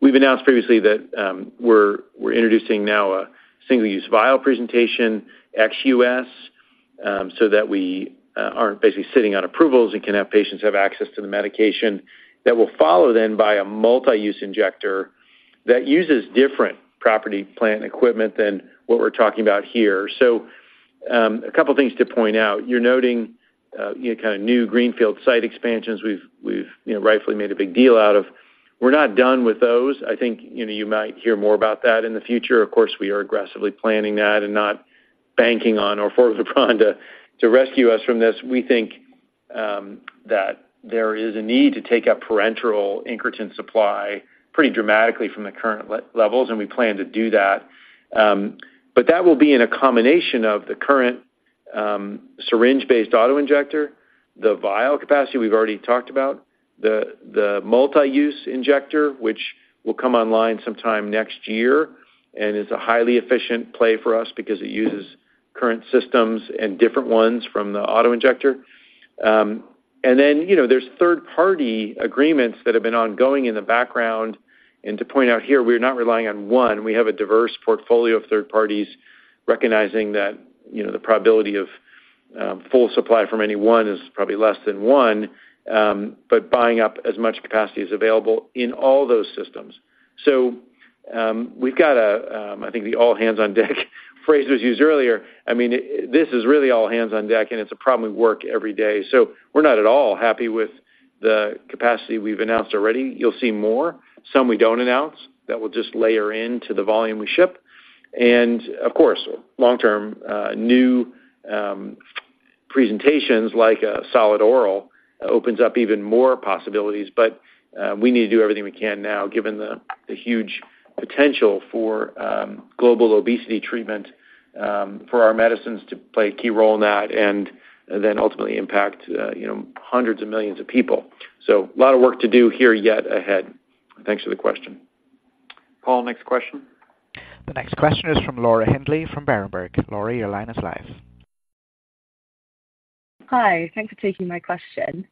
We've announced previously that we're introducing now a single-use vial presentation, XUS, so that we aren't basically sitting on approvals and can have patients have access to the medication. That will follow then by a multi-use injector that uses different property, plant, and equipment than what we're talking about here. So, a couple things to point out. You're noting you know, kind of new greenfield site expansions. You know, rightfully made a big deal out of. We're not done with those. I think, you know, you might hear more about that in the future. Of course, we are aggressively planning that and not banking on orforglipron to rescue us from this. We think that there is a need to take up parenteral incretin supply pretty dramatically from the current levels, and we plan to do that. But that will be in a combination of the current syringe-based auto injector, the vial capacity we've already talked about, the multi-use injector, which will come online sometime next year, and is a highly efficient play for us because it uses current systems and different ones from the auto injector. And then, you know, there's third-party agreements that have been ongoing in the background. And to point out here, we're not relying on one. We have a diverse portfolio of third parties, recognizing that, you know, the probability of full supply from any one is probably less than one, but buying up as much capacity as available in all those systems. So, we've got a, I think the all hands on deck phrase was used earlier. I mean, this is really all hands on deck, and it's a problem we work every day. So we're not at all happy with the capacity we've announced already. You'll see more. Some we don't announce, that will just layer in to the volume we ship. And of course, long term, new presentations, like a solid oral, opens up even more possibilities, but we need to do everything we can now, given the huge potential for global obesity treatment for our medicines to play a key role in that and then ultimately impact you know, hundreds of millions of people. So a lot of work to do here, yet ahead. Thanks for the question. Paul, next question. The next question is from Laura Sheridan, from Berenberg. Laura, your line is live. Hi, thanks for taking my question.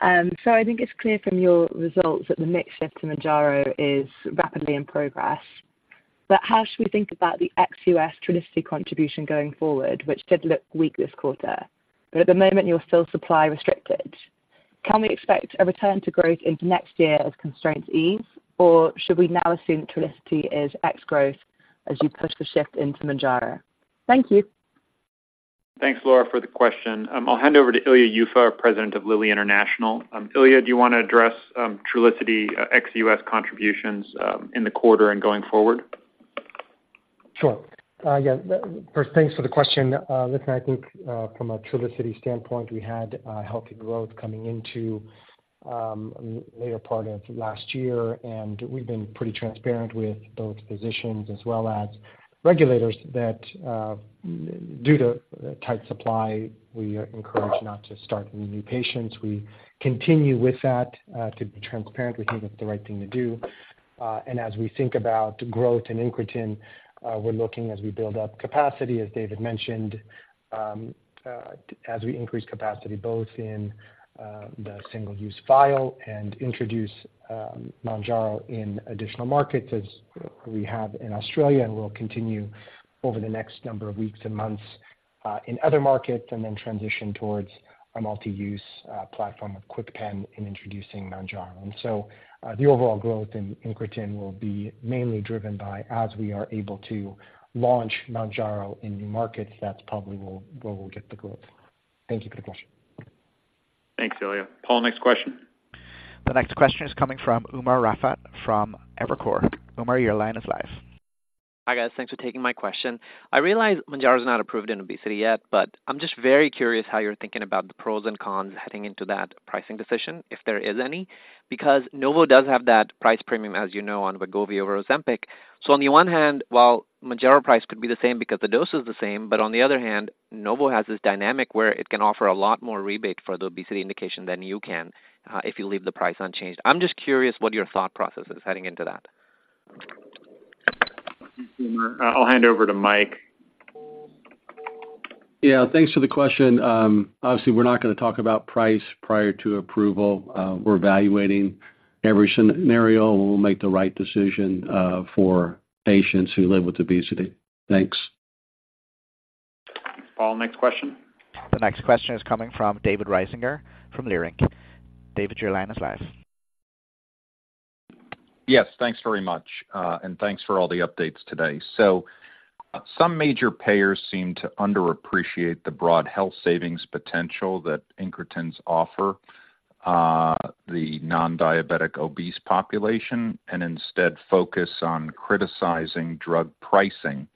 So I think it's clear from your results that the mix shift in Mounjaro is rapidly in progress, but how should we think about the ex-US Trulicity contribution going forward, which did look weak this quarter? But at the moment, you're still supply restricted. Can we expect a return to growth into next year as constraints ease, or should we now assume Trulicity is ex growth as you push the shift into Mounjaro? Thank you. Thanks, Laura, for the question. I'll hand over to Ilya Yuffa, President of Lilly International. Ilya, do you want to address Trulicity ex-US contributions in the quarter and going forward? Sure. Yeah, first, thanks for the question. Listen, I think, from a Trulicity standpoint, we had healthy growth coming into later part of last year, and we've been pretty transparent with both physicians as well as regulators, that due to tight supply, we encourage not to start any new patients. We continue with that to be transparent. We think it's the right thing to do. And as we think about growth in incretin, we're looking as we build up capacity, as David mentioned, as we increase capacity both in the single-use vial and introduce Mounjaro in additional markets, as we have in Australia, and we'll continue over the next number of weeks and months in other markets, and then transition towards a multi-use platform of KwikPen in introducing Mounjaro. And so, the overall growth in incretin will be mainly driven by, as we are able to launch Mounjaro in new markets, that's probably where we'll get the growth. Thank you for the question. Thanks, Ilya. Paul, next question. The next question is coming from Umer Raffat, from Evercore. Umer, your line is live. Hi, guys. Thanks for taking my question. I realize Mounjaro is not approved in obesity yet, but I'm just very curious how you're thinking about the pros and cons heading into that pricing decision, if there is any, because Novo does have that price premium, as you know, on Wegovy over Ozempic. So on the one hand, while Mounjaro price could be the same because the dose is the same, but on the other hand, Novo has this dynamic where it can offer a lot more rebate for the obesity indication than you can, if you leave the price unchanged. I'm just curious what your thought process is heading into that? Thanks, Umer. I'll hand over to Mike. Yeah, thanks for the question. Obviously, we're not going to talk about price prior to approval. We're evaluating every scenario, and we'll make the right decision, for patients who live with obesity. Thanks. Paul, next question. The next question is coming from David Risinger, from Leerink. David, your line is live. Yes, thanks very much, and thanks for all the updates today. So some major payers seem to underappreciate the broad health savings potential that incretins offer, the non-diabetic obese population, and instead focus on criticizing drug pricing.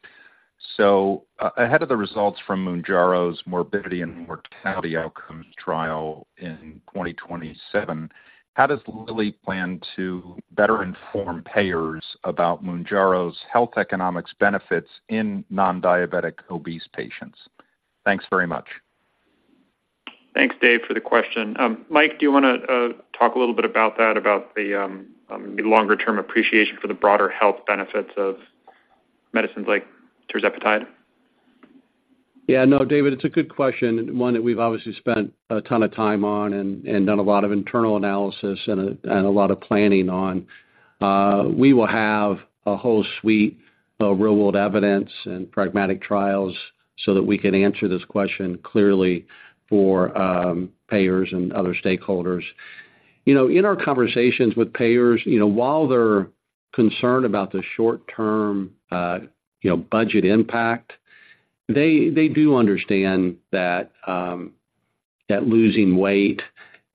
So ahead of the results from Mounjaro's morbidity and mortality outcomes trial in 2027, how does Lilly plan to better inform payers about Mounjaro's health economics benefits in non-diabetic obese patients? Thanks very much. Thanks, Dave, for the question. Mike, do you want to talk a little bit about that, about the longer-term appreciation for the broader health benefits of medicines like tirzepatide? Yeah, no, David, it's a good question, and one that we've obviously spent a ton of time on and done a lot of internal analysis and a lot of planning on. We will have a whole suite of real-world evidence and pragmatic trials so that we can answer this question clearly for payers and other stakeholders. You know, in our conversations with payers, you know, while they're concerned about the short-term, you know, budget impact. They do understand that losing weight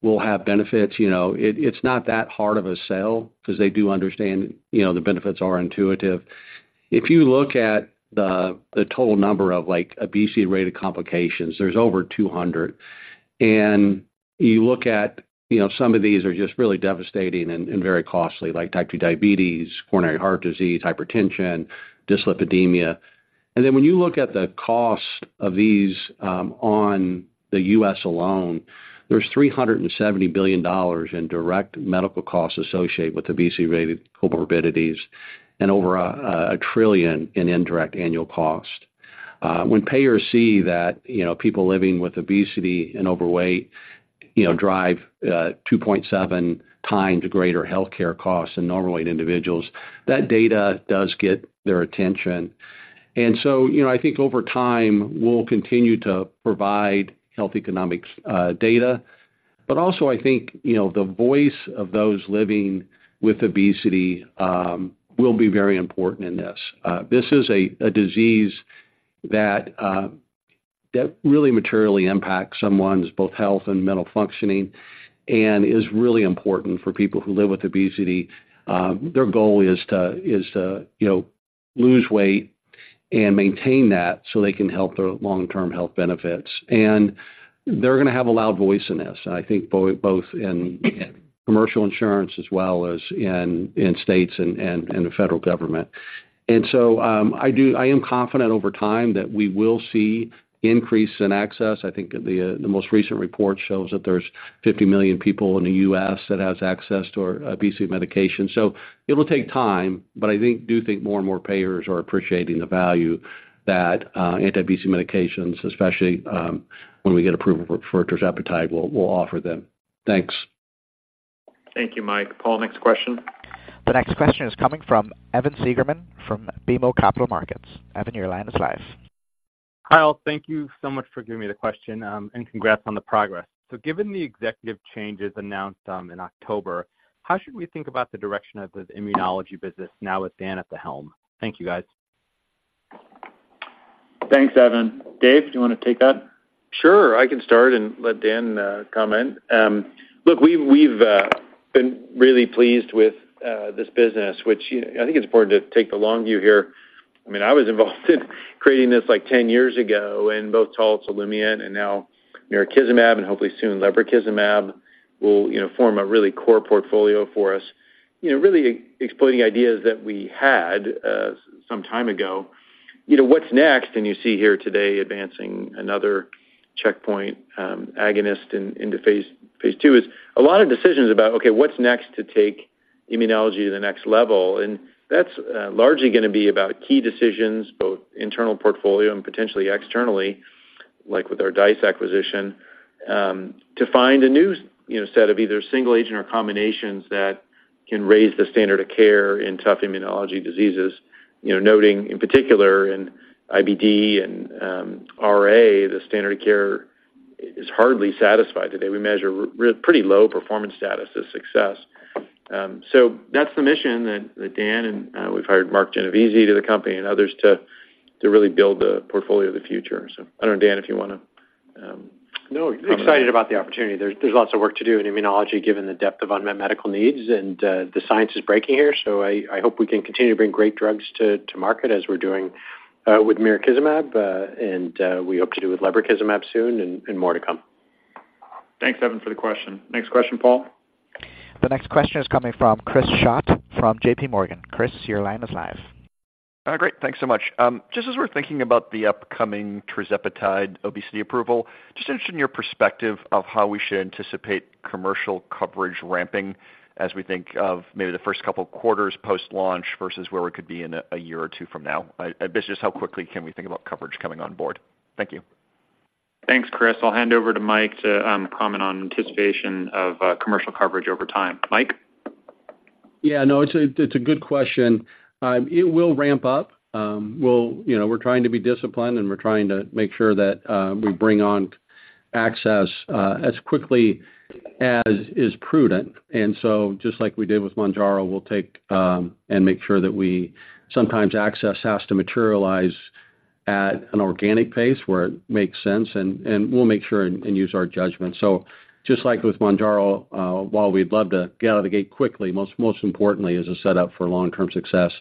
will have benefits. You know, it, it's not that hard of a sell because they do understand, you know, the benefits are intuitive. If you look at the total number of like obesity-related complications, there's over 200. You look at, you know, some of these are just really devastating and very costly, like type 2 diabetes, coronary heart disease, hypertension, dyslipidemia. Then when you look at the cost of these on the U.S. alone, there's $370 billion in direct medical costs associated with obesity-related comorbidities and over $1 trillion in indirect annual cost. When payers see that, you know, people living with obesity and overweight, you know, drive 2.7 times greater healthcare costs than normal weight individuals, that data does get their attention. And so, you know, I think over time, we'll continue to provide health economics data. But also, I think, you know, the voice of those living with obesity will be very important in this. This is a disease that really materially impacts someone's both health and mental functioning and is really important for people who live with obesity. Their goal is to, you know, lose weight and maintain that so they can help their long-term health benefits. And they're gonna have a loud voice in this, and I think both in commercial insurance as well as in states and the federal government. And so, I am confident over time that we will see increase in access. I think the most recent report shows that there's 50 million people in the U.S. that has access to our obesity medication. So it'll take time, but I think... do think more and more payers are appreciating the value that, anti-obesity medications, especially, when we get approval for tirzepatide, will offer them. Thanks. Thank you, Mike. Paul, next question. The next question is coming from Evan Seigerman from BMO Capital Markets. Evan, your line is live. Kyle, thank you so much for giving me the question, and congrats on the progress. So given the executive changes announced, in October, how should we think about the direction of the immunology business now with Dan at the helm? Thank you, guys. Thanks, Evan. Dave, do you wanna take that? Sure, I can start and let Dan comment. Look, we've been really pleased with this business, which, you know, I think it's important to take the long view here. I mean, I was involved in creating this, like, 10 years ago, and both Taltz and now mirikizumab, and hopefully soon lebrikizumab, will, you know, form a really core portfolio for us. You know, really exploring ideas that we had some time ago. You know, what's next? And you see here today advancing another checkpoint agonist into phase II is a lot of decisions about, okay, what's next to take immunology to the next level? And that's largely gonna be about key decisions, both internal portfolio and potentially externally, like with our DICE acquisition, to find a new, you know, set of either single agent or combinations that can raise the standard of care in tough immunology diseases. You know, noting in particular in IBD and RA, the standard of care is hardly satisfied today. We measure pretty low performance status as success. So that's the mission that Dan and we've hired Mark Genovese to the company and others to really build the portfolio of the future. So I don't know, Dan, if you wanna. No, excited about the opportunity. There's lots of work to do in immunology, given the depth of unmet medical needs, and the science is breaking here. So I hope we can continue to bring great drugs to market as we're doing with mirikizumab, and we hope to do with lebrikizumab soon and more to come. Thanks, Evan, for the question. Next question, Paul. The next question is coming from Chris Schott from JPMorgan. Chris, your line is live. Great. Thanks so much. Just as we're thinking about the upcoming tirzepatide obesity approval, just interested in your perspective of how we should anticipate commercial coverage ramping as we think of maybe the first couple quarters post-launch versus where we could be in a year or two from now. Basically, just how quickly can we think about coverage coming on board? Thank you. Thanks, Chris. I'll hand over to Mike to comment on anticipation of commercial coverage over time. Mike? Yeah, no, it's a good question. It will ramp up. You know, we're trying to be disciplined, and we're trying to make sure that we bring on access as quickly as is prudent. And so just like we did with Mounjaro, we'll take and make sure that we sometimes access has to materialize at an organic pace where it makes sense, and we'll make sure and use our judgment. So just like with Mounjaro, while we'd love to get out of the gate quickly, most importantly, is a set up for long-term success.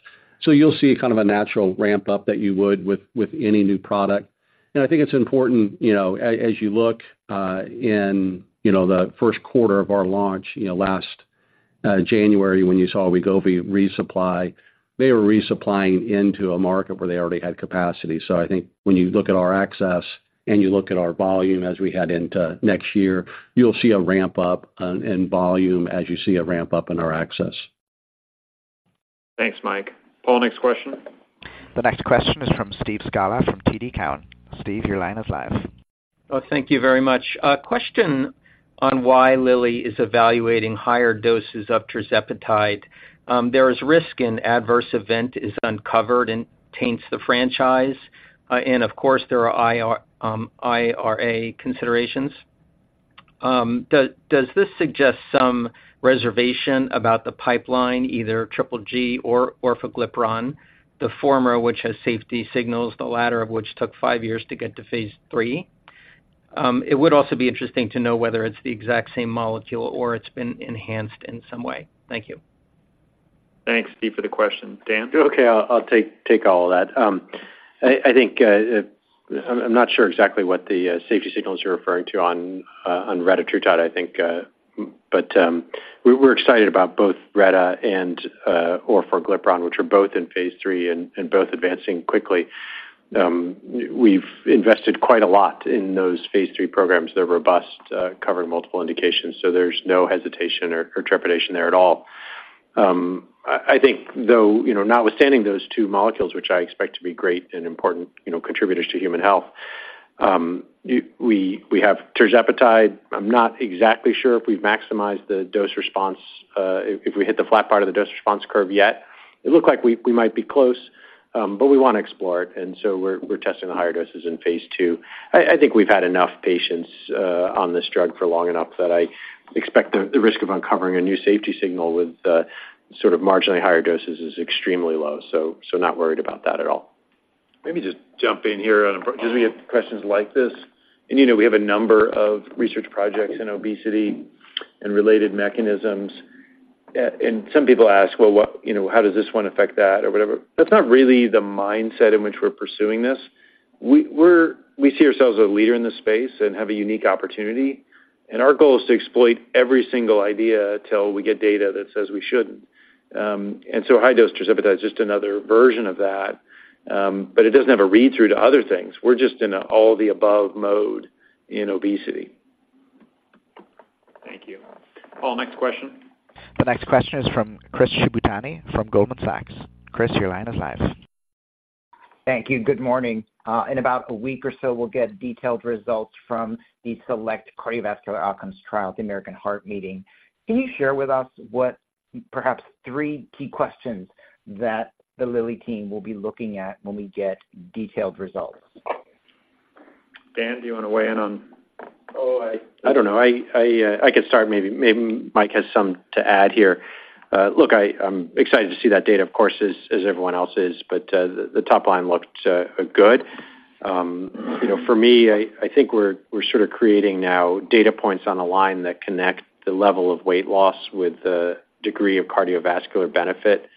So you'll see kind of a natural ramp-up that you would with any new product. I think it's important, you know, as you look, you know, in the first quarter of our launch, you know, last January, when you saw Wegovy resupply, they were resupplying into a market where they already had capacity. So I think when you look at our access, and you look at our volume as we head into next year, you'll see a ramp-up in volume as you see a ramp-up in our access. Thanks, Mike. Paul, next question. The next question is from Steve Scala from TD Cowen. Steve, your line is live. Oh, thank you very much. A question on why Lilly is evaluating higher doses of tirzepatide. There is risk in adverse event is uncovered and taints the franchise. And of course, there are IR, IRA considerations. Does this suggest some reservation about the pipeline, either Triple G or orforglipron, the former, which has safety signals, the latter of which took five years to get to phase III? It would also be interesting to know whether it's the exact same molecule or it's been enhanced in some way. Thank you. Thanks, Steve, for the question. Dan? Okay, I'll take all of that. I think I'm not sure exactly what the safety signals you're referring to on retatrutide, I think, but we're excited about both retatrutide and orforglipron, which are both in phase III and both advancing quickly. We've invested quite a lot in those phase III programs. They're robust, covering multiple indications, so there's no hesitation or trepidation there at all. I think, though, you know, notwithstanding those two molecules, which I expect to be great and important, you know, contributors to human health, we have tirzepatide. I'm not exactly sure if we've maximized the dose response, if we hit the flat part of the dose response curve yet. It looked like we might be close, but we want to explore it, and so we're testing the higher doses in phase two. I think we've had enough patients on this drug for long enough that I expect the risk of uncovering a new safety signal with sort of marginally higher doses is extremely low, so not worried about that at all. Let me just jump in here on because we have questions like this, and, you know, we have a number of research projects in obesity and related mechanisms. And some people ask, "Well, what... You know, how does this one affect that?" Or whatever. That's not really the mindset in which we're pursuing this. We see ourselves as a leader in this space and have a unique opportunity, and our goal is to exploit every single idea till we get data that says we shouldn't. And so high-dose tirzepatide is just another version of that, but it doesn't have a read-through to other things. We're just in a all-the-above mode in obesity. Thank you. Paul, next question? The next question is from Chris Shibutani from Goldman Sachs. Chris, your line is live. Thank you. Good morning. In about a week or so, we'll get detailed results from the SELECT cardiovascular outcomes trial at the American Heart Meeting. Can you share with us what perhaps three key questions that the Lilly team will be looking at when we get detailed results? Dan, do you want to weigh in on? Oh, I don't know. I could start. Maybe, maybe Mike has something to add here. Look, I'm excited to see that data, of course, as everyone else is, but the top line looked good. You know, for me, I think we're sort of creating now data points on a line that connect the level of weight loss with the degree of cardiovascular benefit.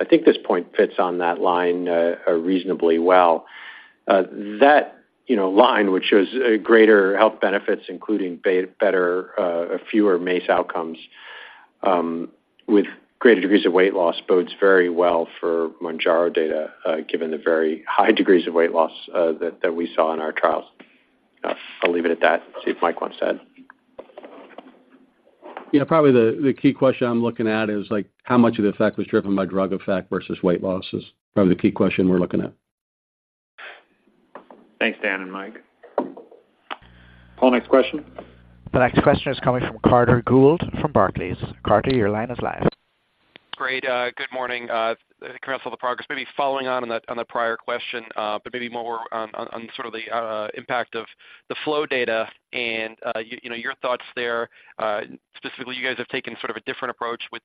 I think this point fits on that line reasonably well. That, you know, line, which shows greater health benefits, including better, fewer MACE outcomes, with greater degrees of weight loss, bodes very well for Mounjaro data, given the very high degrees of weight loss that we saw in our trials. I'll leave it at that and see if Mike wants to add. Yeah, probably the key question I'm looking at is, like, how much of the effect was driven by drug effect versus weight loss, is probably the key question we're looking at. Thanks, Dan and Mike. Paul, next question? The next question is coming from Carter Gould from Barclays. Carter, your line is live. Great. Good morning. Congrats on all the progress. Maybe following on that - on the prior question, but maybe more on the impact of the FLOW data and, you know, your thoughts there. Specifically, you guys have taken sort of a different approach with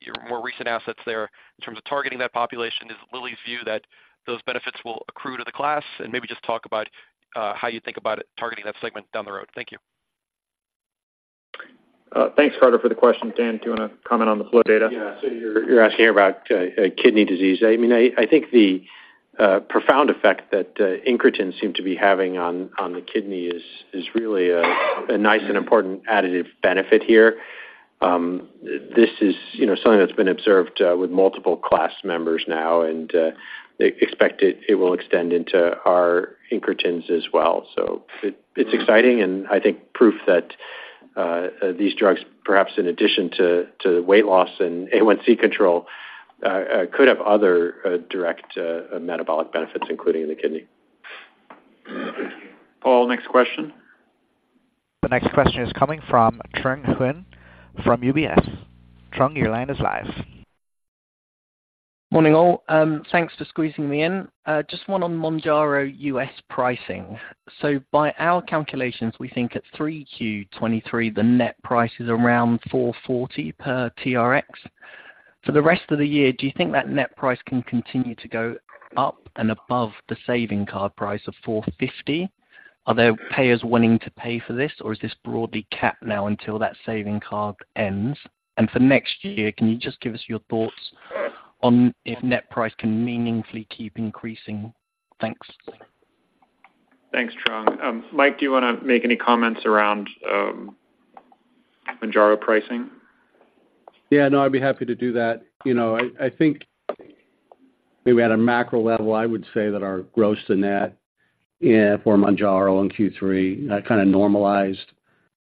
your more recent assets there in terms of targeting that population. Is Lilly's view that those benefits will accrue to the class? And maybe just talk about how you think about it targeting that segment down the road. Thank you. Thanks, Carter, for the question. Dan, do you want to comment on the FLOW data? Yeah. So you're asking about kidney disease. I mean, I think the profound effect that incretin seem to be having on the kidney is really a nice and important additive benefit here. This is, you know, something that's been observed with multiple class members now, and they expect it will extend into our incretins as well. So it's exciting, and I think proof that these drugs, perhaps in addition to weight loss and A1C control, could have other direct metabolic benefits, including in the kidney. Thank you. Paul, next question. The next question is coming from Trung Huynh from UBS. Trung, your line is live. Morning, all. Thanks for squeezing me in. Just one on Mounjaro U.S. pricing. By our calculations, we think at 3Q23, the net price is around $440 per TRX. For the rest of the year, do you think that net price can continue to go up and above the savings card price of $450? Are there payers willing to pay for this, or is this broadly capped now until that savings card ends? And for next year, can you just give us your thoughts on if net price can meaningfully keep increasing? Thanks. Thanks, Trung. Mike, do you want to make any comments around Mounjaro pricing? Yeah, no, I'd be happy to do that. You know, I think maybe at a macro level, I would say that our gross to net for Mounjaro in Q3 that kind of normalized.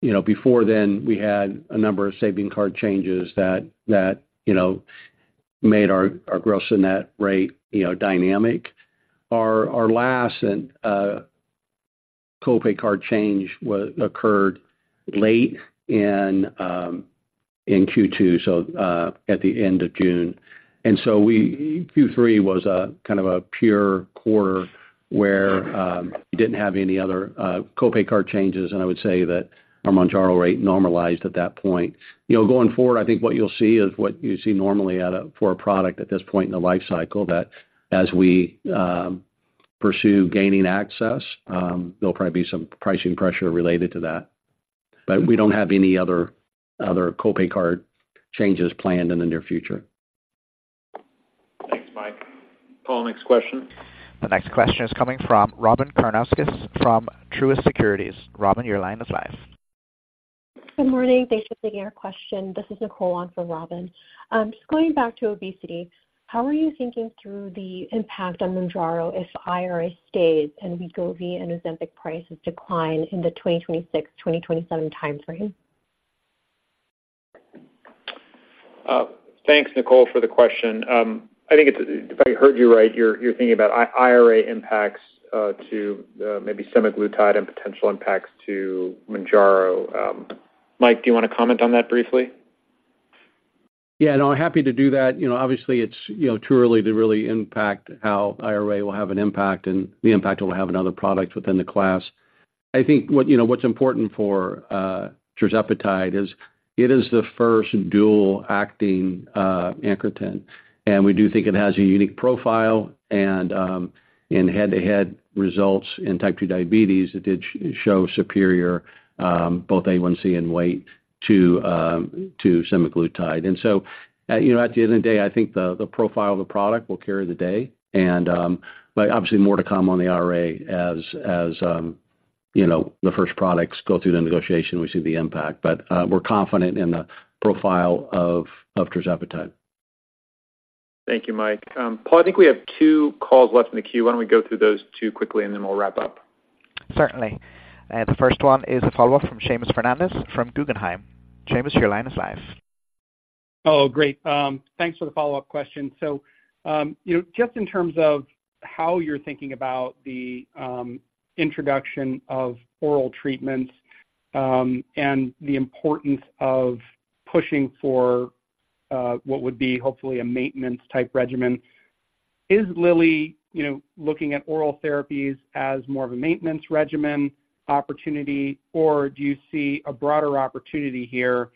You know, before then, we had a number of saving card changes that you know made our gross to net rate you know dynamic. Our last co-pay card change occurred late in in Q2, so at the end of June. And so Q3 was a kind of a pure quarter where we didn't have any other copay card changes, and I would say that our Mounjaro rate normalized at that point. You know, going forward, I think what you'll see is what you see normally for a product at this point in the life cycle, that as we pursue gaining access, there'll probably be some pricing pressure related to that. But we don't have any other copay card changes planned in the near future. Thanks, Mike. Paul, next question. The next question is coming from Robin Karnauskas from Truist Securities. Robin, your line is live. Good morning. Thanks for taking our question. This is Nicole on for Robin. Just going back to obesity, how are you thinking through the impact on Mounjaro if IRA stays and Wegovy and Ozempic prices decline in the 2026, 2027 time frame? Thanks, Nicole, for the question. I think it's... If I heard you right, you're thinking about IRA impacts to maybe semaglutide and potential impacts to Mounjaro. Mike, do you want to comment on that briefly? Yeah, no, I'm happy to do that. You know, obviously, it's you know too early to really impact how IRA will have an impact and the impact it will have on other products within the class. I think what you know what's important for tirzepatide is it is the first dual-acting incretin, and we do think it has a unique profile and in head-to-head results in type two diabetes, it did show superior both A1C and weight to semaglutide. And so you know at the end of the day, I think the profile of the product will carry the day. And but obviously more to come on the IRA as you know the first products go through the negotiation, we see the impact, but we're confident in the profile of tirzepatide. Thank you, Mike. Paul, I think we have two calls left in the queue. Why don't we go through those two quickly, and then we'll wrap up? Certainly. The first one is a follow-up from Seamus Fernandez from Guggenheim. Seamus, your line is live. Oh, great. Thanks for the follow-up question. So, you know, just in terms of how you're thinking about the introduction of oral treatments, and the importance of pushing for what would be hopefully a maintenance-type regimen, is Lilly, you know, looking at oral therapies as more of a maintenance regimen opportunity, or do you see a broader opportunity here,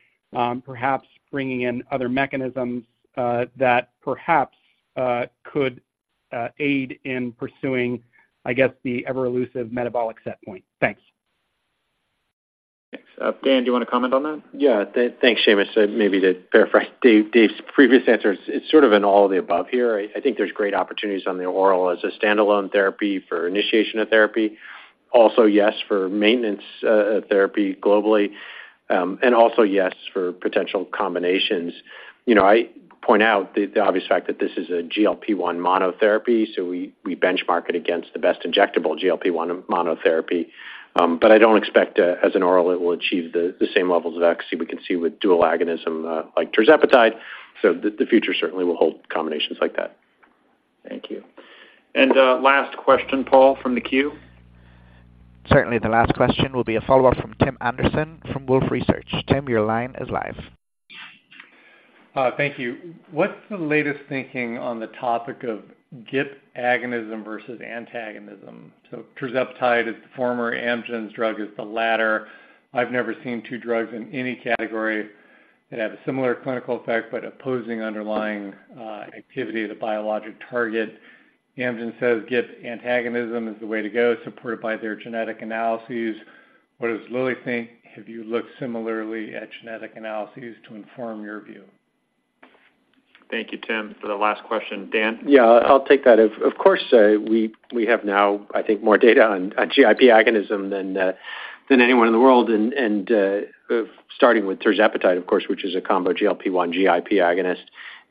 perhaps bringing in other mechanisms that perhaps could aid in pursuing, I guess, the ever-elusive metabolic set point? Thanks. Thanks. Dan, do you want to comment on that? Yeah. Thanks, Seamus. Maybe to clarify Dave, Dave's previous answers, it's sort of an all of the above here. I think there's great opportunities on the oral as a standalone therapy for initiation of therapy. Also, yes, for maintenance therapy globally, and also, yes, for potential combinations. You know, I point out the obvious fact that this is a GLP-1 monotherapy, so we benchmark it against the best injectable GLP-1 monotherapy. But I don't expect, as an oral, it will achieve the same levels of accuracy we can see with dual agonism, like tirzepatide, so the future certainly will hold combinations like that. Thank you. And, last question, Paul, from the queue. Certainly. The last question will be a follow-up from Tim Anderson from Wolfe Research. Tim, your line is live. Thank you. What's the latest thinking on the topic of GIP agonism versus antagonism? So tirzepatide is the former, Amgen's drug is the latter. I've never seen two drugs in any category that have a similar clinical effect, but opposing underlying activity of the biologic target. Amgen says GIP antagonism is the way to go, supported by their genetic analyses. What does Lilly think? Have you looked similarly at genetic analyses to inform your view? Thank you, Tim, for the last question. Dan? Yeah, I'll take that. Of course, we have now, I think, more data on GIP agonism than anyone in the world, and starting with tirzepatide, of course, which is a combo GLP-1 GIP agonist,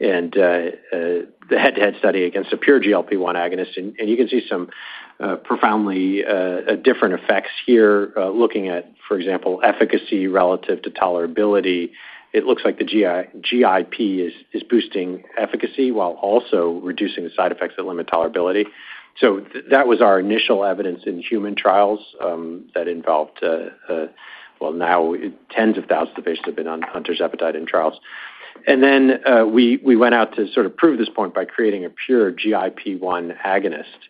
and the head-to-head study against a pure GLP-1 agonist, and you can see some profoundly different effects here. Looking at, for example, efficacy relative to tolerability, it looks like the GIP is boosting efficacy while also reducing the side effects that limit tolerability. So that was our initial evidence in human trials, that involved, well, now tens of thousands of patients have been on tirzepatide in trials. Then, we went out to sort of prove this point by creating a pure GIP agonist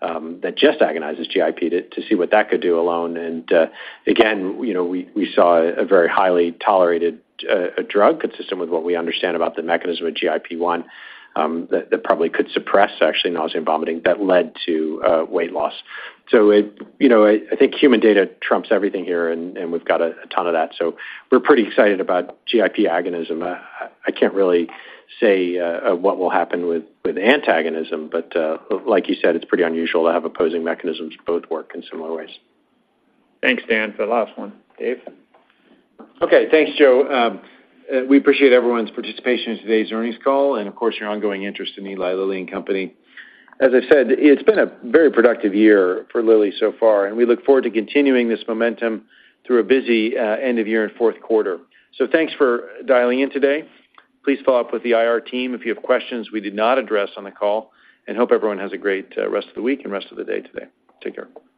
that just agonizes GIP to see what that could do alone. Again, you know, we saw a very highly tolerated drug consistent with what we understand about the mechanism of GLP-1 that probably could suppress actually nausea and vomiting that led to weight loss. So it. You know, I think human data trumps everything here, and we've got a ton of that. So we're pretty excited about GIP agonism. I can't really say what will happen with antagonism, but like you said, it's pretty unusual to have opposing mechanisms both work in similar ways. Thanks, Dan, for the last one. Dave? Okay, thanks, Joe. We appreciate everyone's participation in today's earnings call and, of course, your ongoing interest in Eli Lilly and Company. As I said, it's been a very productive year for Lilly so far, and we look forward to continuing this momentum through a busy, end of year and fourth quarter. So thanks for dialing in today. Please follow up with the IR team if you have questions we did not address on the call, and hope everyone has a great, rest of the week and rest of the day today. Take care.